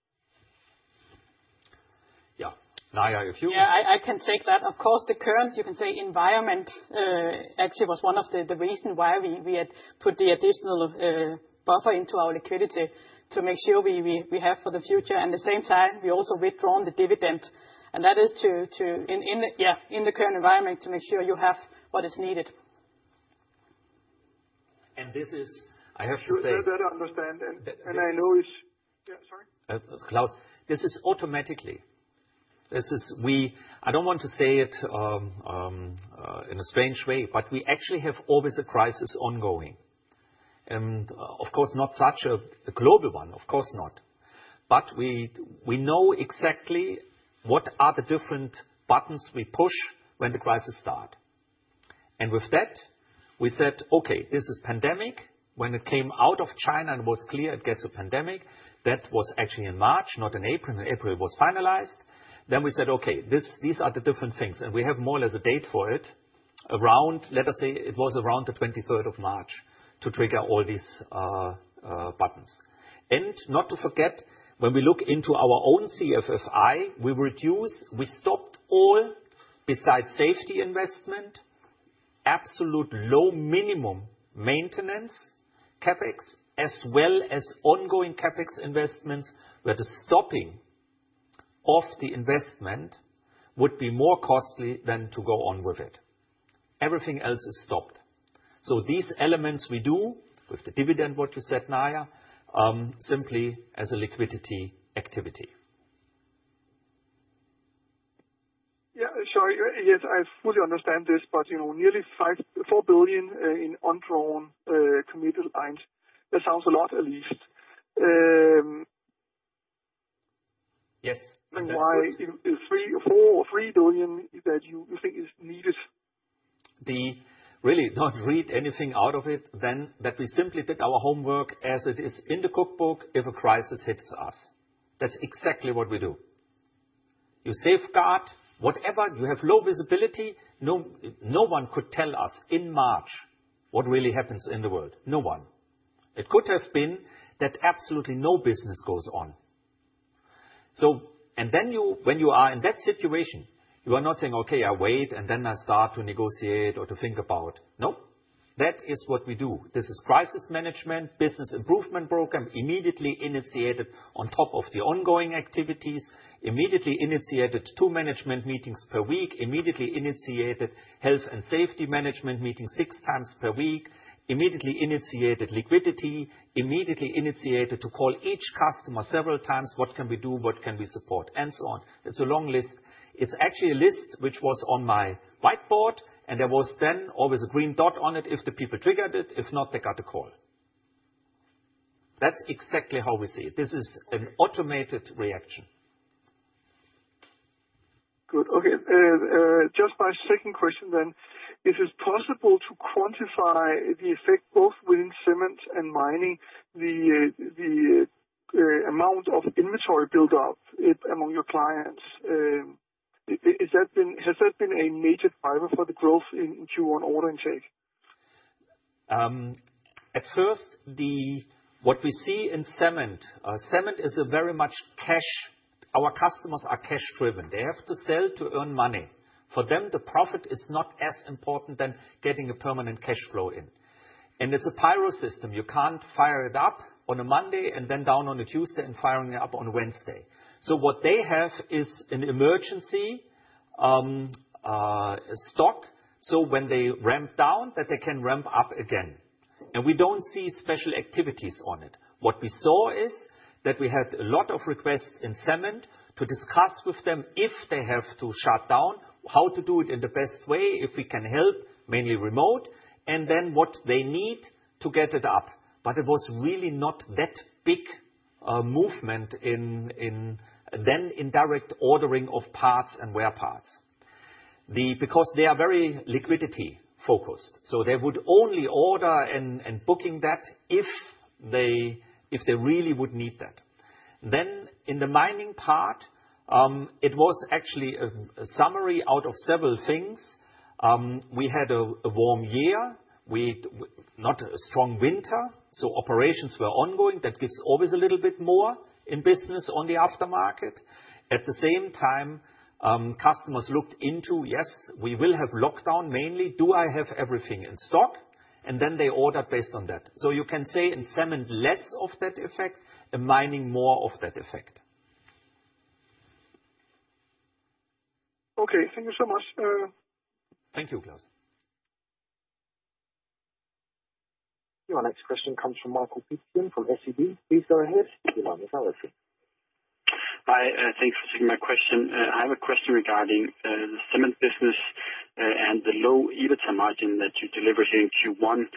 Yeah. Roland, if you. Yeah, I can take that. Of course, the current, you can say, environment actually was one of the reason why we had put the additional buffer into our liquidity to make sure we have for the future. And at the same time, we also withdrawn the dividend. And that is to in the yeah, in the current environment to make sure you have what is needed. And this is, I have to say. That I understand. And I know it's. Yeah, sorry. Claus, this is automatically. This is we I don't want to say it in a strange way, but we actually have always a crisis ongoing. And, of course, not such a global one. Of course not. But we know exactly what are the different buttons we push when the crisis start. With that, we said, okay, this is pandemic. When it came out of China and it was clear it gets a pandemic, that was actually in March, not in April. In April, it was finalized. Then we said, okay, these are the different things. We have more or less a date for it around, let us say it was around the 23rd of March to trigger all these buttons. Not to forget, when we look into our own CFFO, we stopped all besides safety investment, absolute low minimum maintenance CapEx as well as ongoing CapEx investments where the stopping of the investment would be more costly than to go on with it. Everything else is stopped. These elements we do with the dividend, what you said, Maja, simply as a liquidity activity. Yeah. Sorry. Yes, I fully understand this, but, you know, nearly 4 billion in undrawn committed lines. That sounds a lot, at least. Yes. And why is 3-4 billion that you think is needed? There really is nothing to read into it then that we simply did our homework as it is in the cookbook if a crisis hits us. That's exactly what we do. You safeguard whatever you have, low visibility. No one could tell us in March what really happens in the world. No one. It could have been that absolutely no business goes on. So, when you are in that situation, you are not saying, okay, I wait and then I start to negotiate or to think about. Nope. That is what we do. This is crisis management, business improvement program immediately initiated on top of the ongoing activities, immediately initiated two management meetings per week, immediately initiated health and safety management meetings six times per week, immediately initiated liquidity, immediately initiated to call each customer several times, what can we do, what can we support, and so on. It's a long list. It's actually a list which was on my whiteboard, and there was then always a green dot on it if the people triggered it. If not, they got a call. That's exactly how we see it. This is an automated reaction. Good. Okay. Just my second question then. Is it possible to quantify the effect both within cement and mining, the amount of inventory buildup among your clients? Has that been a major driver for the growth in Q1 order intake? At first, what we see in cement, cement is very much cash. Our customers are cash-driven. They have to sell to earn money. For them, the profit is not as important than getting a permanent cash flow in. And it's a pyro system. You can't fire it up on a Monday and then down on a Tuesday and firing it up on Wednesday. So what they have is an emergency stock so when they ramp down that they can ramp up again. And we don't see special activities on it. What we saw is that we had a lot of requests in cement to discuss with them if they have to shut down, how to do it in the best way, if we can help, mainly remote, and then what they need to get it up. But it was really not that big a movement in the direct ordering of parts and wear parts. They, because they are very liquidity-focused. So they would only order and book that if they really would need that. Then in the mining part, it was actually a summary out of several things. We had a warm year. We not a strong winter. So operations were ongoing. That gives always a little bit more in business on the aftermarket. At the same time, customers looked into, yes, we will have lockdown, mainly. Do I have everything in stock? And then they ordered based on that. So you can say in cement less of that effect, in mining more of that effect. Okay. Thank you so much. Thank you, Claus. Your next question comes from Mikkel Emil Jensen from SEB. Please go ahead. You're on the telephone. Thanks for taking my question. I have a question regarding the cement business and the low EBITDA margin that you delivered here in Q1.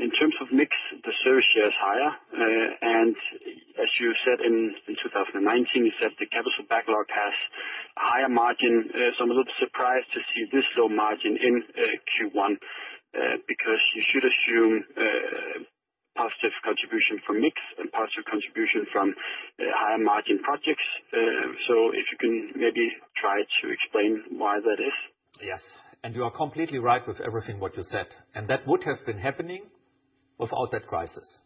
In terms of mix, the service share is higher. And as you said in 2019, you said the capital backlog has a higher margin. So I'm a little surprised to see this low margin in Q1, because you should assume positive contribution from mix and positive contribution from higher margin projects. So if you can maybe try to explain why that is. Yes. And you are completely right with everything what you said. And that would have been happening without that crisis.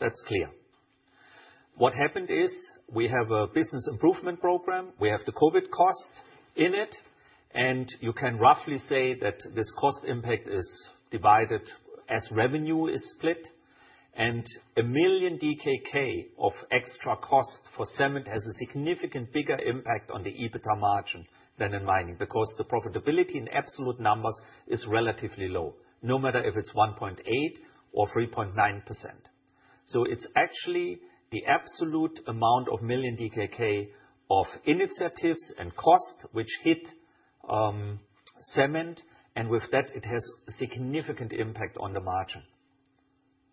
That's clear. What happened is we have a business improvement program. We have the COVID cost in it. And you can roughly say that this cost impact is divided as revenue is split. A million DKK of extra cost for cement has a significantly bigger impact on the EBITDA margin than in mining because the profitability in absolute numbers is relatively low, no matter if it's 1.8% or 3.9%. So it's actually the absolute amount of million DKK of initiatives and cost which hit cement. And with that, it has a significant impact on the margin,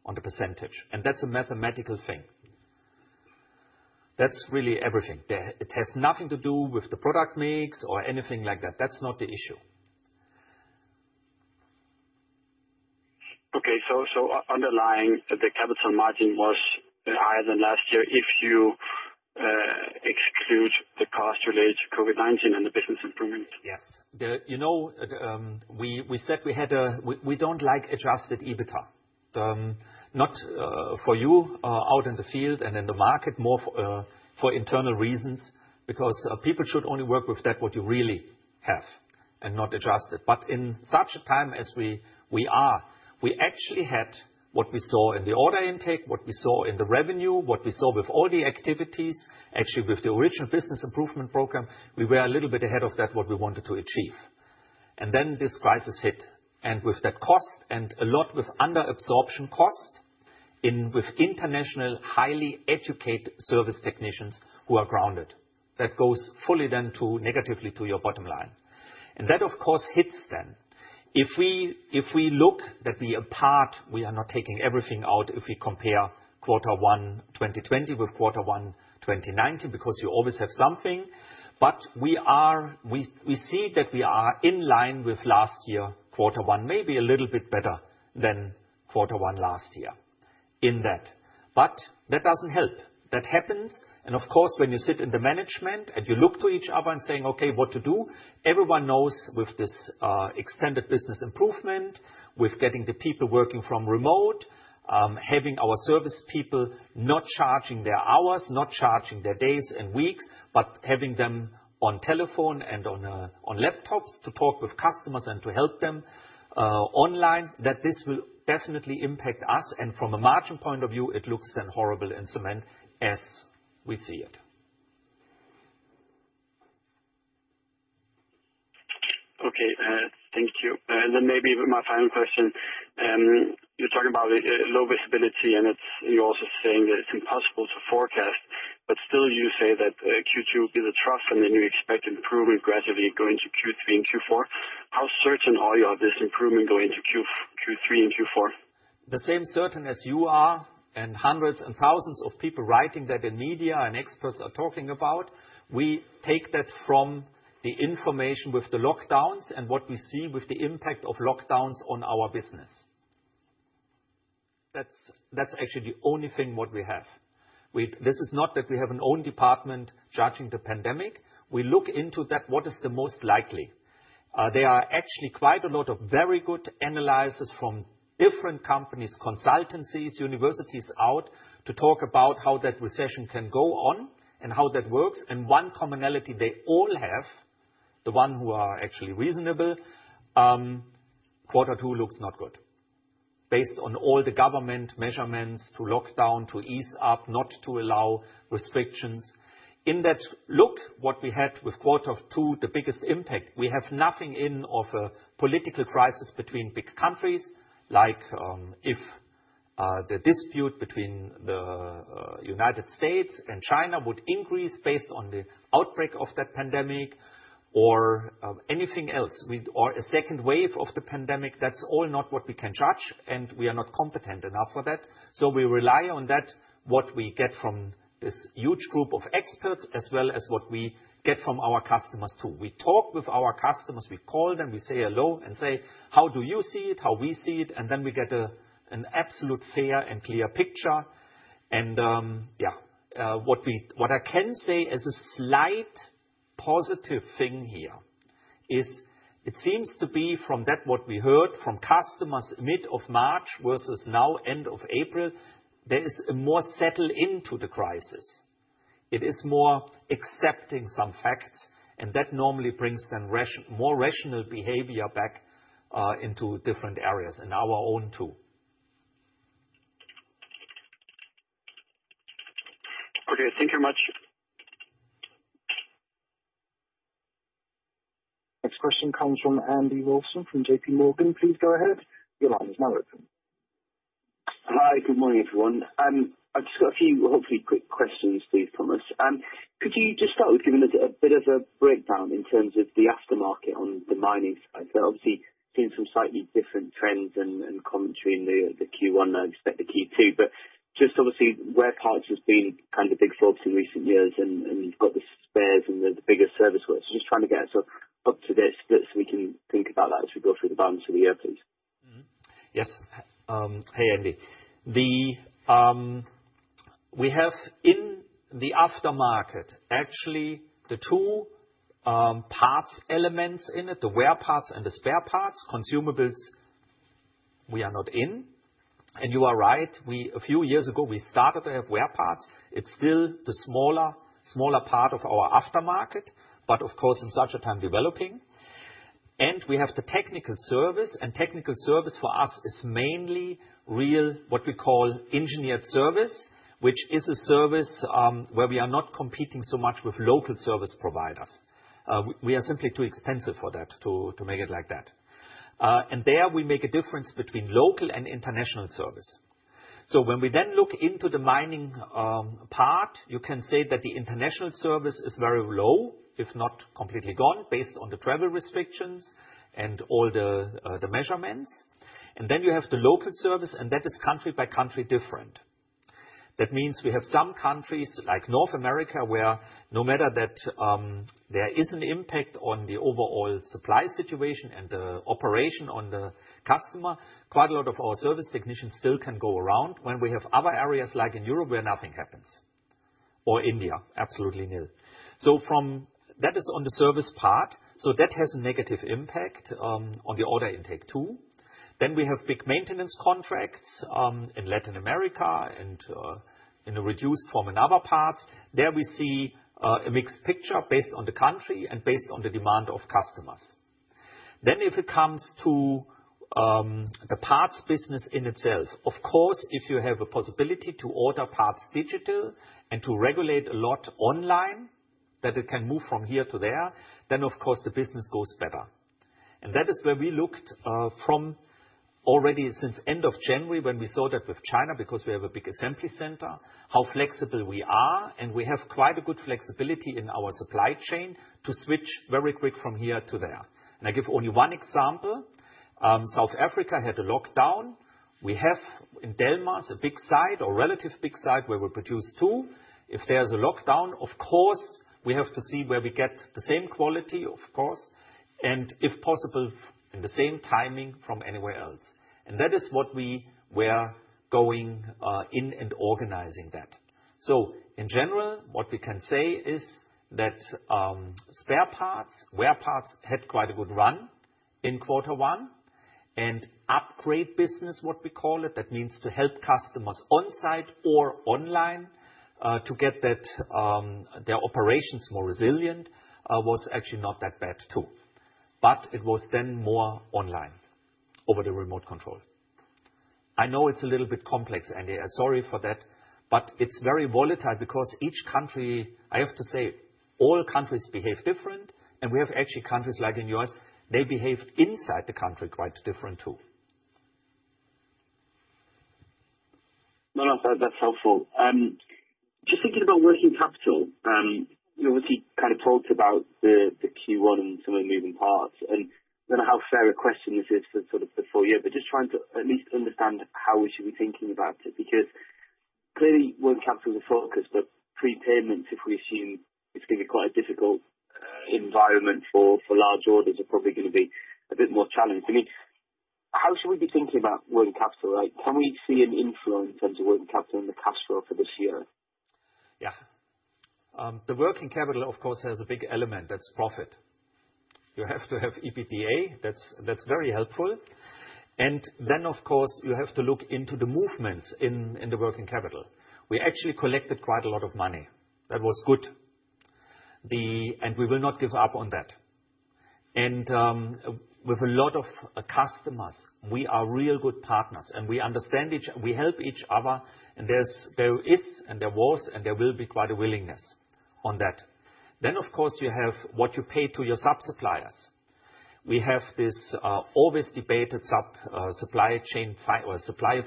on the percentage. And that's a mathematical thing. That's really everything. It has nothing to do with the product mix or anything like that. That's not the issue. Okay. So underlying the capital margin was higher than last year if you exclude the cost related to COVID-19 and the business improvement? Yes. You know, we said we had a we don't like adjusted EBITDA. not for you out in the field and in the market, more for internal reasons because people should only work with that, what you really have, and not adjust it. But in such a time as we are, we actually had what we saw in the order intake, what we saw in the revenue, what we saw with all the activities, actually with the original business improvement program, we were a little bit ahead of that, what we wanted to achieve. And then this crisis hit. And with that cost and a lot with underabsorption cost in with international highly educated service technicians who are grounded. That goes fully then to negatively to your bottom line. And that, of course, hits them. If we look that we are part, we are not taking everything out if we compare quarter one 2020 with quarter one 2019 because you always have something. But we see that we are in line with last year quarter one, maybe a little bit better than quarter one last year in that. But that doesn't help. That happens. And of course, when you sit in the management and you look to each other and saying, okay, what to do, everyone knows with this extended business improvement, with getting the people working from remote, having our service people not charging their hours, not charging their days and weeks, but having them on telephone and on laptops to talk with customers and to help them online, that this will definitely impact us. From a margin point of view, it looks then horrible in cement as we see it. Okay. Thank you. Maybe my final question. You're talking about low visibility and it's you're also saying that it's impossible to forecast, but still you say that Q2 will be the trough and then you expect improvement gradually going to Q3 and Q4. How certain are you of this improvement going to Q3 and Q4? The same certain as you are and hundreds and thousands of people writing that in media and experts are talking about. We take that from the information with the lockdowns and what we see with the impact of lockdowns on our business. That's actually the only thing what we have. We, this is not that we have our own department judging the pandemic. We look into that what is the most likely. There are actually quite a lot of very good analysis from different companies, consultancies, universities out to talk about how that recession can go on and how that works. And one commonality they all have, the one who are actually reasonable, quarter two looks not good based on all the government measurements to lock down, to ease up, not to allow restrictions. In that look, what we had with quarter two, the biggest impact, we have nothing in of a political crisis between big countries like, if, the dispute between the, United States and China would increase based on the outbreak of that pandemic or, anything else we or a second wave of the pandemic, that's all not what we can judge and we are not competent enough for that. So we rely on that, what we get from this huge group of experts as well as what we get from our customers too. We talk with our customers, we call them, we say hello and say, how do you see it, how we see it? And then we get an absolute fair and clear picture. And, yeah, what I can say as a slight positive thing here is it seems to be from that, what we heard from customers mid of March versus now end of April, there is a more settled into the crisis. It is more accepting some facts and that normally brings then more rational behavior back, into different areas and our own too. Okay. Thank you very much. Next question comes from Andrew Wilson from JPMorgan. Please go ahead. Your line is now open. I've just got a few hopefully quick questions for you, Thomas. Could you just start with giving us a bit of a breakdown in terms of the aftermarket on the mining side? So obviously seeing some slightly different trends and commentary in the Q1, I expect the Q2, but just obviously where parts has been kind of the big floats in recent years and got the spares and the bigger service work. So just trying to get us up to date so that we can think about that as we go through the balance of the year, please. Yes. Hey, Andy. The we have in the aftermarket actually the two parts elements in it, the wear parts and the spare parts, consumables we are not in. And you are right. We a few years ago started to have wear parts. It's still the smaller part of our aftermarket, but of course in such a time, developing, and we have the technical service, for us, is mainly really what we call engineered service, which is a service where we are not competing so much with local service providers. We are simply too expensive for that to make it like that, and there we make a difference between local and international service, so when we then look into the mining part, you can say that the international service is very low, if not completely gone based on the travel restrictions and all the measures. Then you have the local service and that is country by country different. That means we have some countries like North America where no matter that, there is an impact on the overall supply situation and the operation on the customer. Quite a lot of our service technicians still can go around when we have other areas like in Europe where nothing happens or India, absolutely nil. So from that is on the service part. So that has a negative impact on the order intake too. Then we have big maintenance contracts in Latin America and, in a reduced form in other parts. There we see a mixed picture based on the country and based on the demand of customers. Then if it comes to the parts business in itself, of course, if you have a possibility to order parts digital and to regulate a lot online that it can move from here to there, then of course the business goes better. And that is where we looked, from already since end of January when we saw that with China because we have a big assembly center, how flexible we are. We have quite a good flexibility in our supply chain to switch very quick from here to there. I give only one example. South Africa had a lockdown. We have in Delmas a big site or relative big site where we produce two. If there's a lockdown, of course, we have to see where we get the same quality, of course, and if possible in the same timing from anywhere else. That is what we were going in and organizing that. In general, what we can say is that spare parts, wear parts had quite a good run in quarter one and upgrade business, what we call it, that means to help customers onsite or online to get that, their operations more resilient, was actually not that bad too. But it was then more online over the remote control. I know it's a little bit complex, Andy. I'm sorry for that, but it's very volatile because each country, I have to say, all countries behave different. We have actually countries like in the U.S., they behaved inside the country quite different too. No, no, that's helpful. Just thinking about working capital, you obviously kind of talked about the Q1 and some of the moving parts. And I don't know how fair a question this is for sort of the full year, but just trying to at least understand how we should be thinking about it because clearly working capital is a focus, but prepayments, if we assume it's going to be quite a difficult environment for large orders, are probably going to be a bit more challenged. I mean, how should we be thinking about working capital, right? Can we see an influence in terms of working capital in the cash flow for this year? Yeah. The working capital, of course, has a big element. That's profit. You have to have EBITDA. That's very helpful. And then, of course, you have to look into the movements in the working capital. We actually collected quite a lot of money. That was good. And we will not give up on that. With a lot of customers, we are real good partners and we understand each other. We help each other. There's, there was, and there will be quite a willingness on that. Of course, you have what you pay to your subsuppliers. We have this always debated supply chain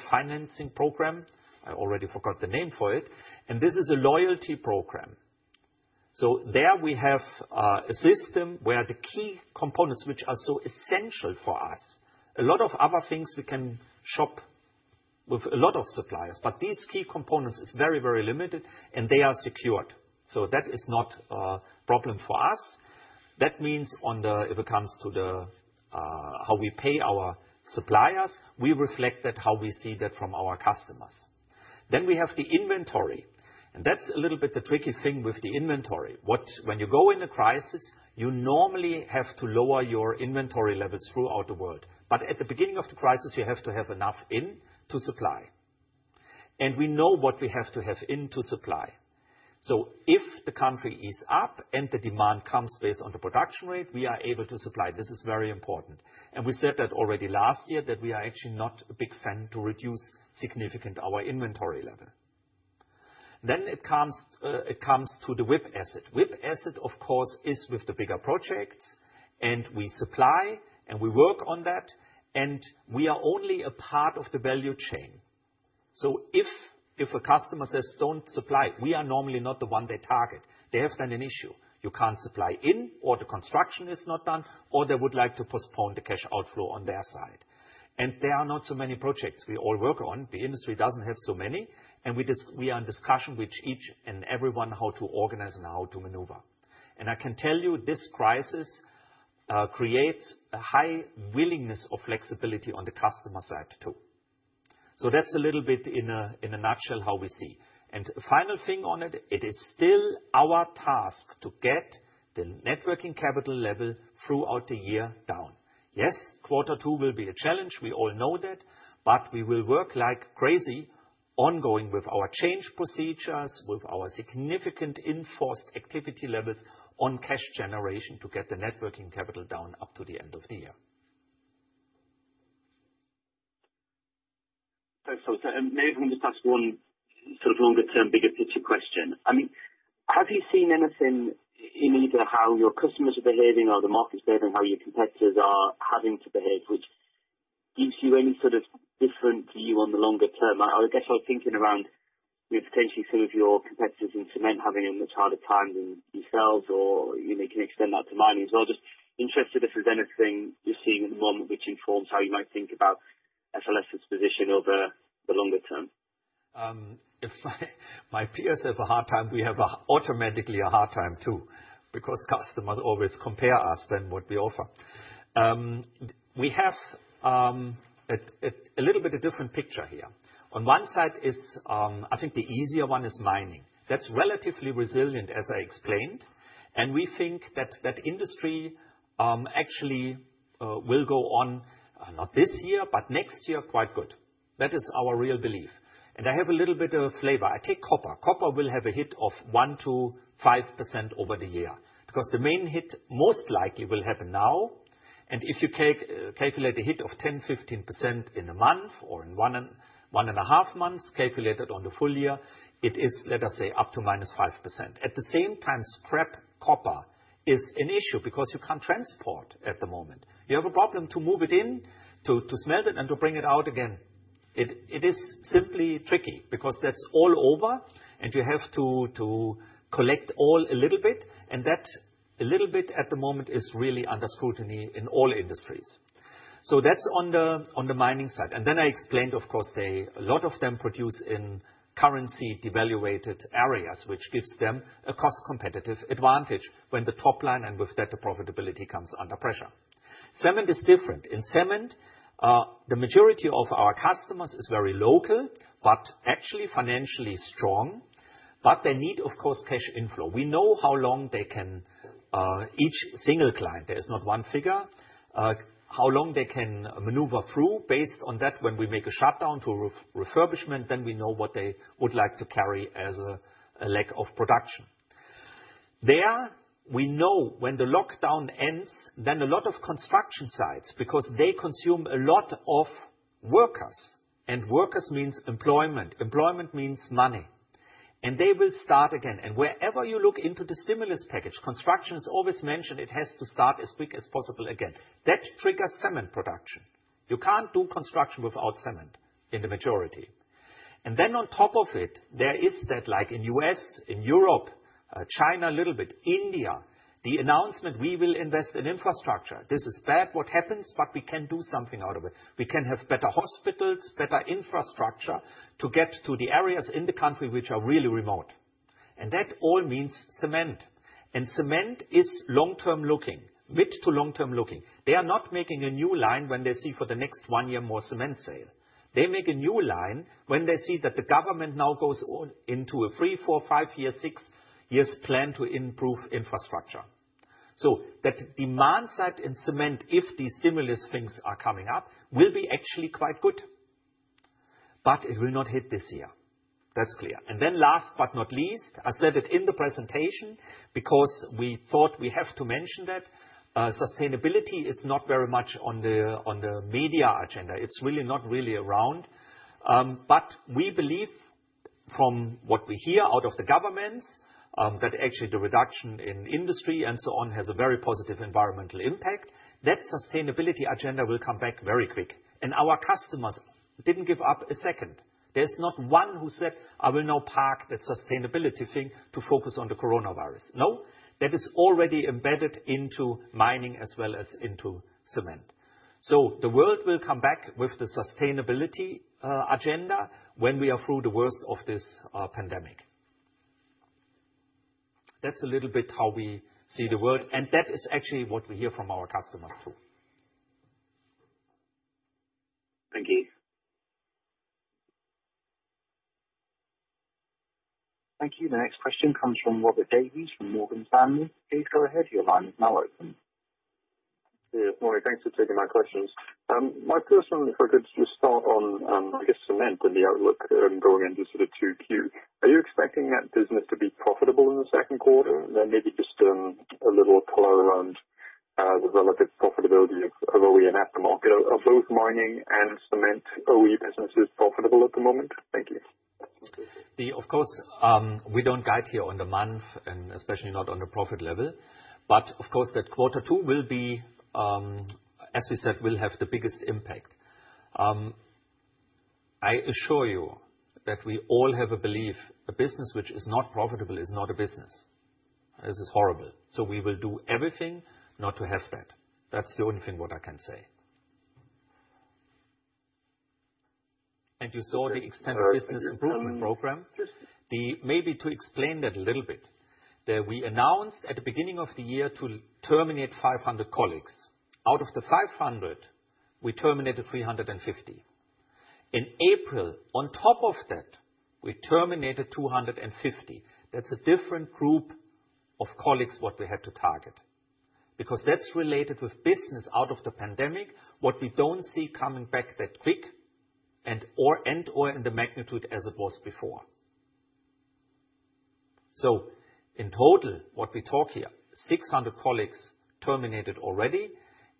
financing program. I already forgot the name for it. This is a loyalty program. So there we have a system where the key components, which are so essential for us, a lot of other things we can shop with a lot of suppliers, but these key components are very, very limited and they are secured. So that is not a problem for us. That means, if it comes to how we pay our suppliers, we reflect that how we see that from our customers. We have the inventory. That's a little bit the tricky thing with the inventory. But when you go in a crisis, you normally have to lower your inventory levels throughout the world. But at the beginning of the crisis, you have to have enough in to supply. And we know what we have to have in to supply. So if the country is up and the demand comes based on the production rate, we are able to supply. This is very important. We said that already last year that we are actually not a big fan to reduce significant our inventory level. Then it comes to the WIP asset. WIP asset, of course, is with the bigger projects and we supply and we work on that and we are only a part of the value chain. So if a customer says, don't supply, we are normally not the one they target. They have then an issue. You can't supply in or the construction is not done or they would like to postpone the cash outflow on their side. And there are not so many projects we all work on. The industry doesn't have so many. And we are in discussion with each and everyone how to organize and how to maneuver. And I can tell you this crisis creates a high willingness of flexibility on the customer side too. So that's a little bit in a nutshell how we see. And final thing on it, it is still our task to get the net working capital level throughout the year down. Yes, quarter two will be a challenge. We all know that, but we will work like crazy ongoing with our change procedures, with our significant enforced activity levels on cash generation to get the net working capital down up to the end of the year. Thanks, Thomas. And maybe I'm going to ask one sort of longer-term bigger picture question. I mean, have you seen anything in either how your customers are behaving or the market's behaving, how your competitors are having to behave? Where do you see any sort of difference to you on the longer term? I guess I was thinking around, you know, potentially some of your competitors in cement having a much harder time than yourselves or, you know, can extend that to mining as well. Just interested if there's anything you're seeing at the moment which informs how you might think about FLS's position over the longer term. If my peers have a hard time, we have automatically a hard time too because customers always compare us to what we offer. We have a little bit of different picture here. On one side is, I think the easier one is mining. That's relatively resilient as I explained. We think that that industry, actually, will go on, not this year, but next year quite good. That is our real belief. I have a little bit of flavor. I take copper. Copper will have a hit of 1%-5% over the year because the main hit most likely will happen now. If you calculate a hit of 10%-15% in a month or in one and a half months calculated on the full year, it is, let us say, up to -5%. At the same time, scrap copper is an issue because you can't transport at the moment. You have a problem to move it in, to smelt it, and to bring it out again. It is simply tricky because that's all over and you have to collect all a little bit. And that a little bit at the moment is really under scrutiny in all industries. So that's on the mining side. And then I explained, of course, a lot of them produce in currency devalued areas, which gives them a cost competitive advantage when the top line and with that the profitability comes under pressure. Cement is different. In cement, the majority of our customers is very local, but actually financially strong. But they need, of course, cash inflow. We know how long they can, each single client, there is not one figure, how long they can maneuver through based on that. When we make a shutdown to refurbishment, then we know what they would like to carry as a leg of production. There we know when the lockdown ends, then a lot of construction sites because they consume a lot of workers, and workers means employment. Employment means money, and they will start again, and wherever you look into the stimulus package, construction is always mentioned, it has to start as quick as possible again. That triggers cement production. You can't do construction without cement in the majority, and then on top of it, there is that like in U.S., in Europe, China, a little bit, India, the announcement we will invest in infrastructure. This is bad, what happens, but we can do something out of it. We can have better hospitals, better infrastructure to get to the areas in the country which are really remote. That all means cement. Cement is long-term looking, mid- to long-term looking. They are not making a new line when they see for the next one year more cement sale. They make a new line when they see that the government now goes into a three, four, five years, six years plan to improve infrastructure. That demand side in cement, if these stimulus things are coming up, will actually be quite good, but it will not hit this year. That's clear. Then, last but not least, I said it in the presentation because we thought we have to mention that. Sustainability is not very much on the media agenda. It's really not around. But we believe from what we hear out of the governments, that actually the reduction in industry and so on has a very positive environmental impact. That sustainability agenda will come back very quick. And our customers didn't give up a second. There's not one who said, I will now park that sustainability thing to focus on the coronavirus. No, that is already embedded into mining as well as into cement. So the world will come back with the sustainability agenda when we are through the worst of this pandemic. That's a little bit how we see the world. And that is actually what we hear from our customers too. Thank you. Thank you. The next question comes from Robert Davies from Morgan Stanley. Please go ahead. Your line is now open. Thanks for taking my questions. My question for good to start on, I guess, cement and the outlook and going into sort of 2Q. Are you expecting that business to be profitable in the second quarter? There may be just a little color around the relative profitability of OE and aftermarket of both mining and cement. OE businesses profitable at the moment? Thank you. Of course, we don't guide here on the month and especially not on the profit level. But of course, that quarter two will be, as we said, will have the biggest impact. I assure you that we all have a belief a business which is not profitable is not a business. This is horrible. So we will do everything not to have that. That's the only thing what I can say, and you saw the extended business improvement program. Then maybe to explain that a little bit, that we announced at the beginning of the year to terminate 500 colleagues. Out of the 500, we terminated 350. In April, on top of that, we terminated 250. That's a different group of colleagues what we had to target because that's related with business out of the pandemic what we don't see coming back that quick and or in the magnitude as it was before. So in total, what we talk here, 600 colleagues terminated already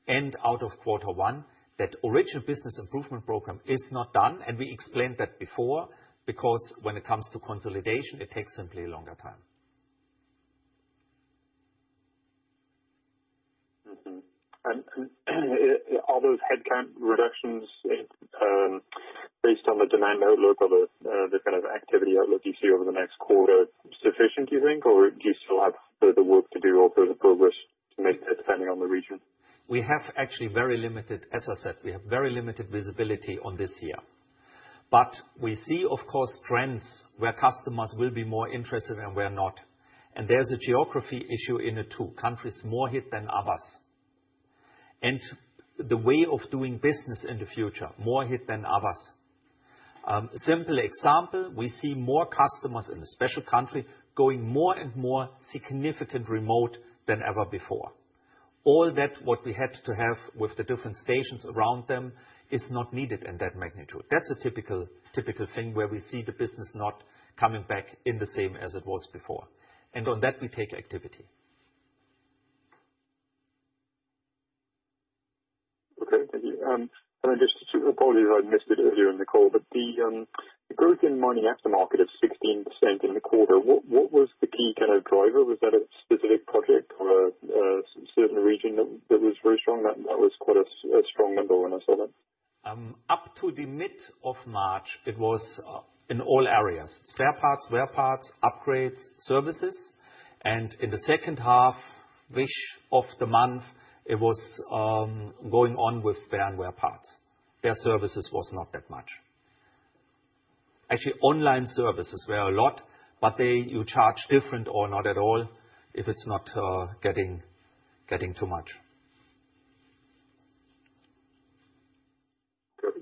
and out of quarter one, that original business improvement program is not done, and we explained that before because when it comes to consolidation, it takes simply a longer time. Are those headcount reductions, based on the demand outlook or the kind of activity outlook you see over the next quarter sufficient, do you think, or do you still have further work to do or further progress to make that standing on the region? We have actually very limited, as I said, we have very limited visibility on this year. But we see, of course, trends where customers will be more interested and where not. And there's a geography issue in it too. Countries more hit than others. And the way of doing business in the future, more hit than others. Simple example, we see more customers in a special country going more and more significant remote than ever before. All that what we had to have with the different stations around them is not needed in that magnitude. That's a typical thing where we see the business not coming back in the same as it was before. And on that, we take activity. Okay. Thank you. And I just, probably I missed it earlier in the call, but the growth in mining aftermarket of 16% in the quarter, what was the key kind of driver? Was that a specific project or a certain region that was very strong? That was quite a strong number when I saw that. Up to the mid of March, it was in all areas, spare parts, wear parts, upgrades, services. And in the second half, which of the month it was, going on with spare and wear parts. Their services was not that much. Actually, online services were a lot, but they you charge different or not at all if it's not getting too much.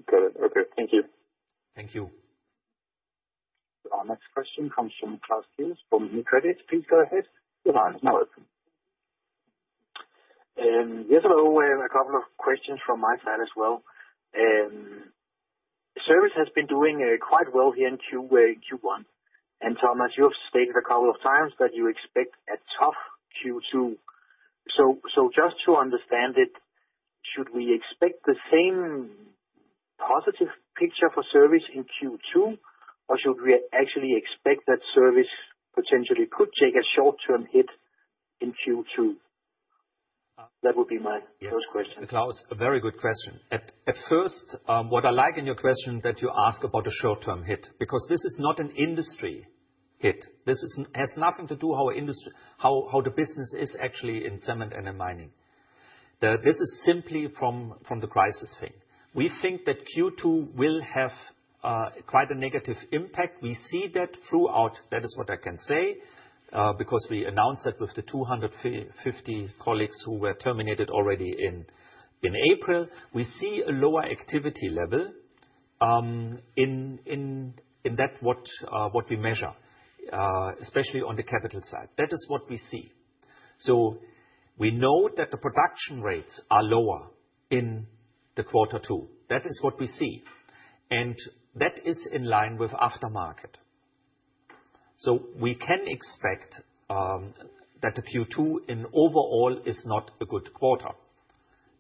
Got it. Okay. Thank you. Thank you. Our next question comes from Klaus Kehl from Nykredit. Please go ahead. And yes, a couple of questions from my side as well. Service has been doing quite well here in Q1. And Thomas, you have stated a couple of times that you expect a tough Q2. So just to understand it, should we expect the same positive picture for service in Q2, or should we actually expect that service potentially could take a short-term hit in Q2? That would be my first question. Yes, Klaus, a very good question. At first, what I like in your question that you ask about a short-term hit because this is not an industry hit. This has nothing to do with how the industry, how the business is actually in cement and in mining. This is simply from the crisis thing. We think that Q2 will have quite a negative impact. We see that throughout. That is what I can say, because we announced that with the 250 colleagues who were terminated already in April. We see a lower activity level in what we measure, especially on the capital side. That is what we see. So we know that the production rates are lower in quarter two. That is what we see. And that is in line with aftermarket. So we can expect that the Q2 in overall is not a good quarter.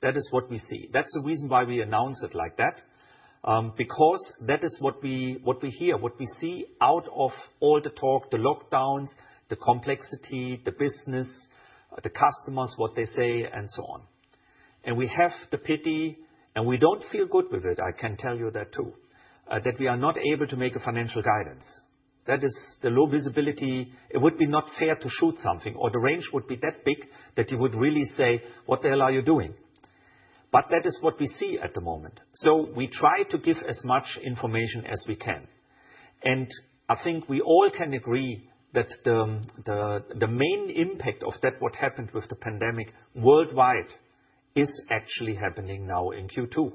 That is what we see. That's the reason why we announced it like that, because that is what we hear, what we see out of all the talk, the lockdowns, the complexity, the business, the customers, what they say, and so on. And we have the pity, and we don't feel good with it. I can tell you that too, that we are not able to make a financial guidance. That is the low visibility. It would be not fair to shoot something or the range would be that big that you would really say, what the hell are you doing? But that is what we see at the moment. So we try to give as much information as we can. And I think we all can agree that the main impact of that what happened with the pandemic worldwide is actually happening now in Q2.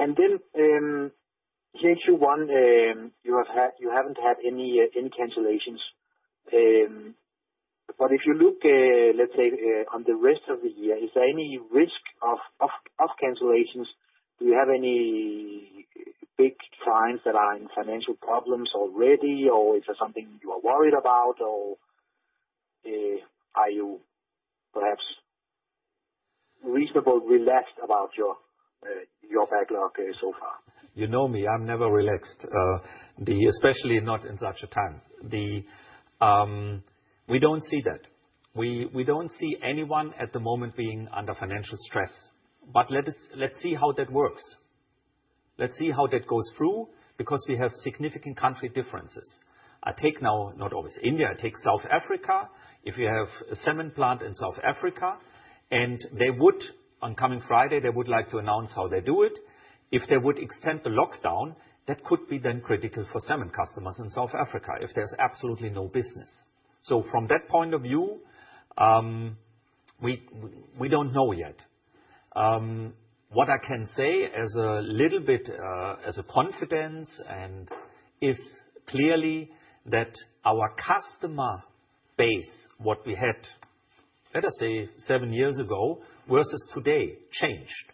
Okay. Right. Here in Q1, you haven't had any cancellations. But if you look, let's say, on the rest of the year, is there any risk of cancellations? Do you have any big clients that are in financial problems already, or is there something you are worried about, or are you perhaps reasonably relaxed about your backlog so far? You know me. I'm never relaxed, especially not in such a time. We don't see that. We don't see anyone at the moment being under financial stress. But let's see how that works. Let's see how that goes through because we have significant country differences. I take now not always India. I take South Africa. If you have a cement plant in South Africa, and they would on coming Friday, they would like to announce how they do it. If they would extend the lockdown, that could be then critical for cement customers in South Africa if there's absolutely no business. So from that point of view, we don't know yet. What I can say is a little bit of confidence, and it is clearly that our customer base, what we had, let us say, seven years ago versus today changed.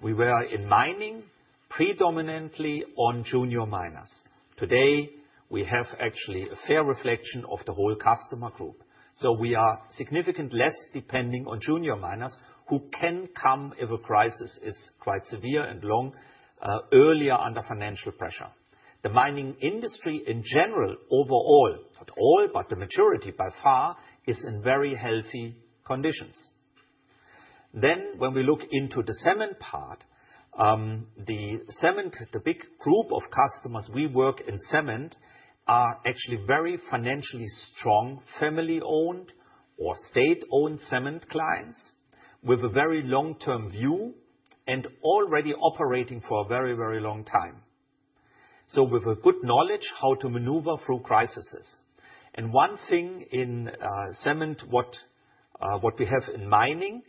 We were in mining predominantly on junior miners. Today, we have actually a fair reflection of the whole customer group. So we are significantly less depending on junior miners who can come earlier under financial pressure if a crisis is quite severe and long. The mining industry in general overall, not all, but the majority by far is in very healthy conditions. Then when we look into the cement part, the cement, the big group of customers we work in cement are actually very financially strong, family-owned or state-owned cement clients with a very long-term view and already operating for a very, very long time. So with a good knowledge how to maneuver through crises. And one thing in cement, what we have in mining,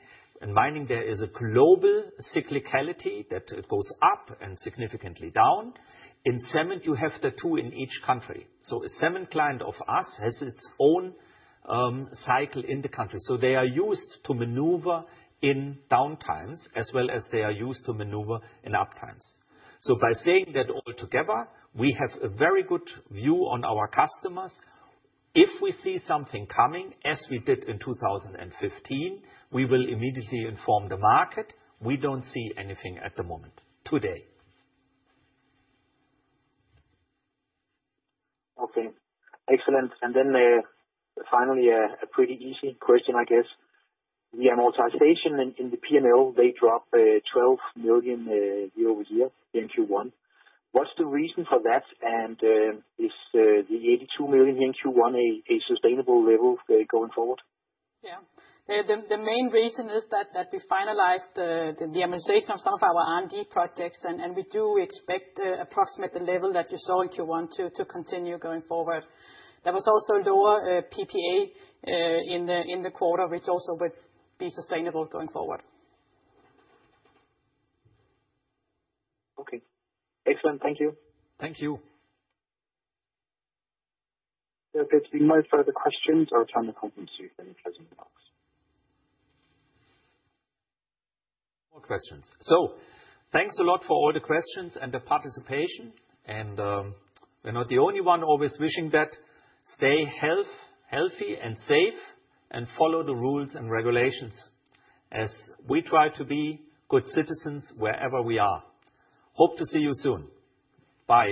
there is a global cyclicality that it goes up and significantly down. In cement, you have the two in each country. So a cement client of us has its own cycle in the country. So they are used to maneuver in downtimes as well as they are used to maneuver in uptimes. So by saying that altogether, we have a very good view on our customers. If we see something coming, as we did in 2015, we will immediately inform the market. We don't see anything at the moment today. Okay. Excellent. And then, finally, a pretty easy question, I guess. The amortization in the P&L dropped 12 million year-over-year in Q1. What's the reason for that? And is the 82 million here in Q1 a sustainable level going forward? Yeah. The main reason is that we finalized the amortization of some of our R&D projects, and we do expect approximately the level that you saw in Q1 to continue going forward. There was also lower PPA in the quarter, which also would be sustainable going forward. Okay. Excellent. Thank you. Okay. Do we have further questions or time to conclude? More questions. So thanks a lot for all the questions and the participation. And, we're not the only one always wishing that. Stay healthy and safe and follow the rules and regulations as we try to be good citizens wherever we are. Hope to see you soon. Bye.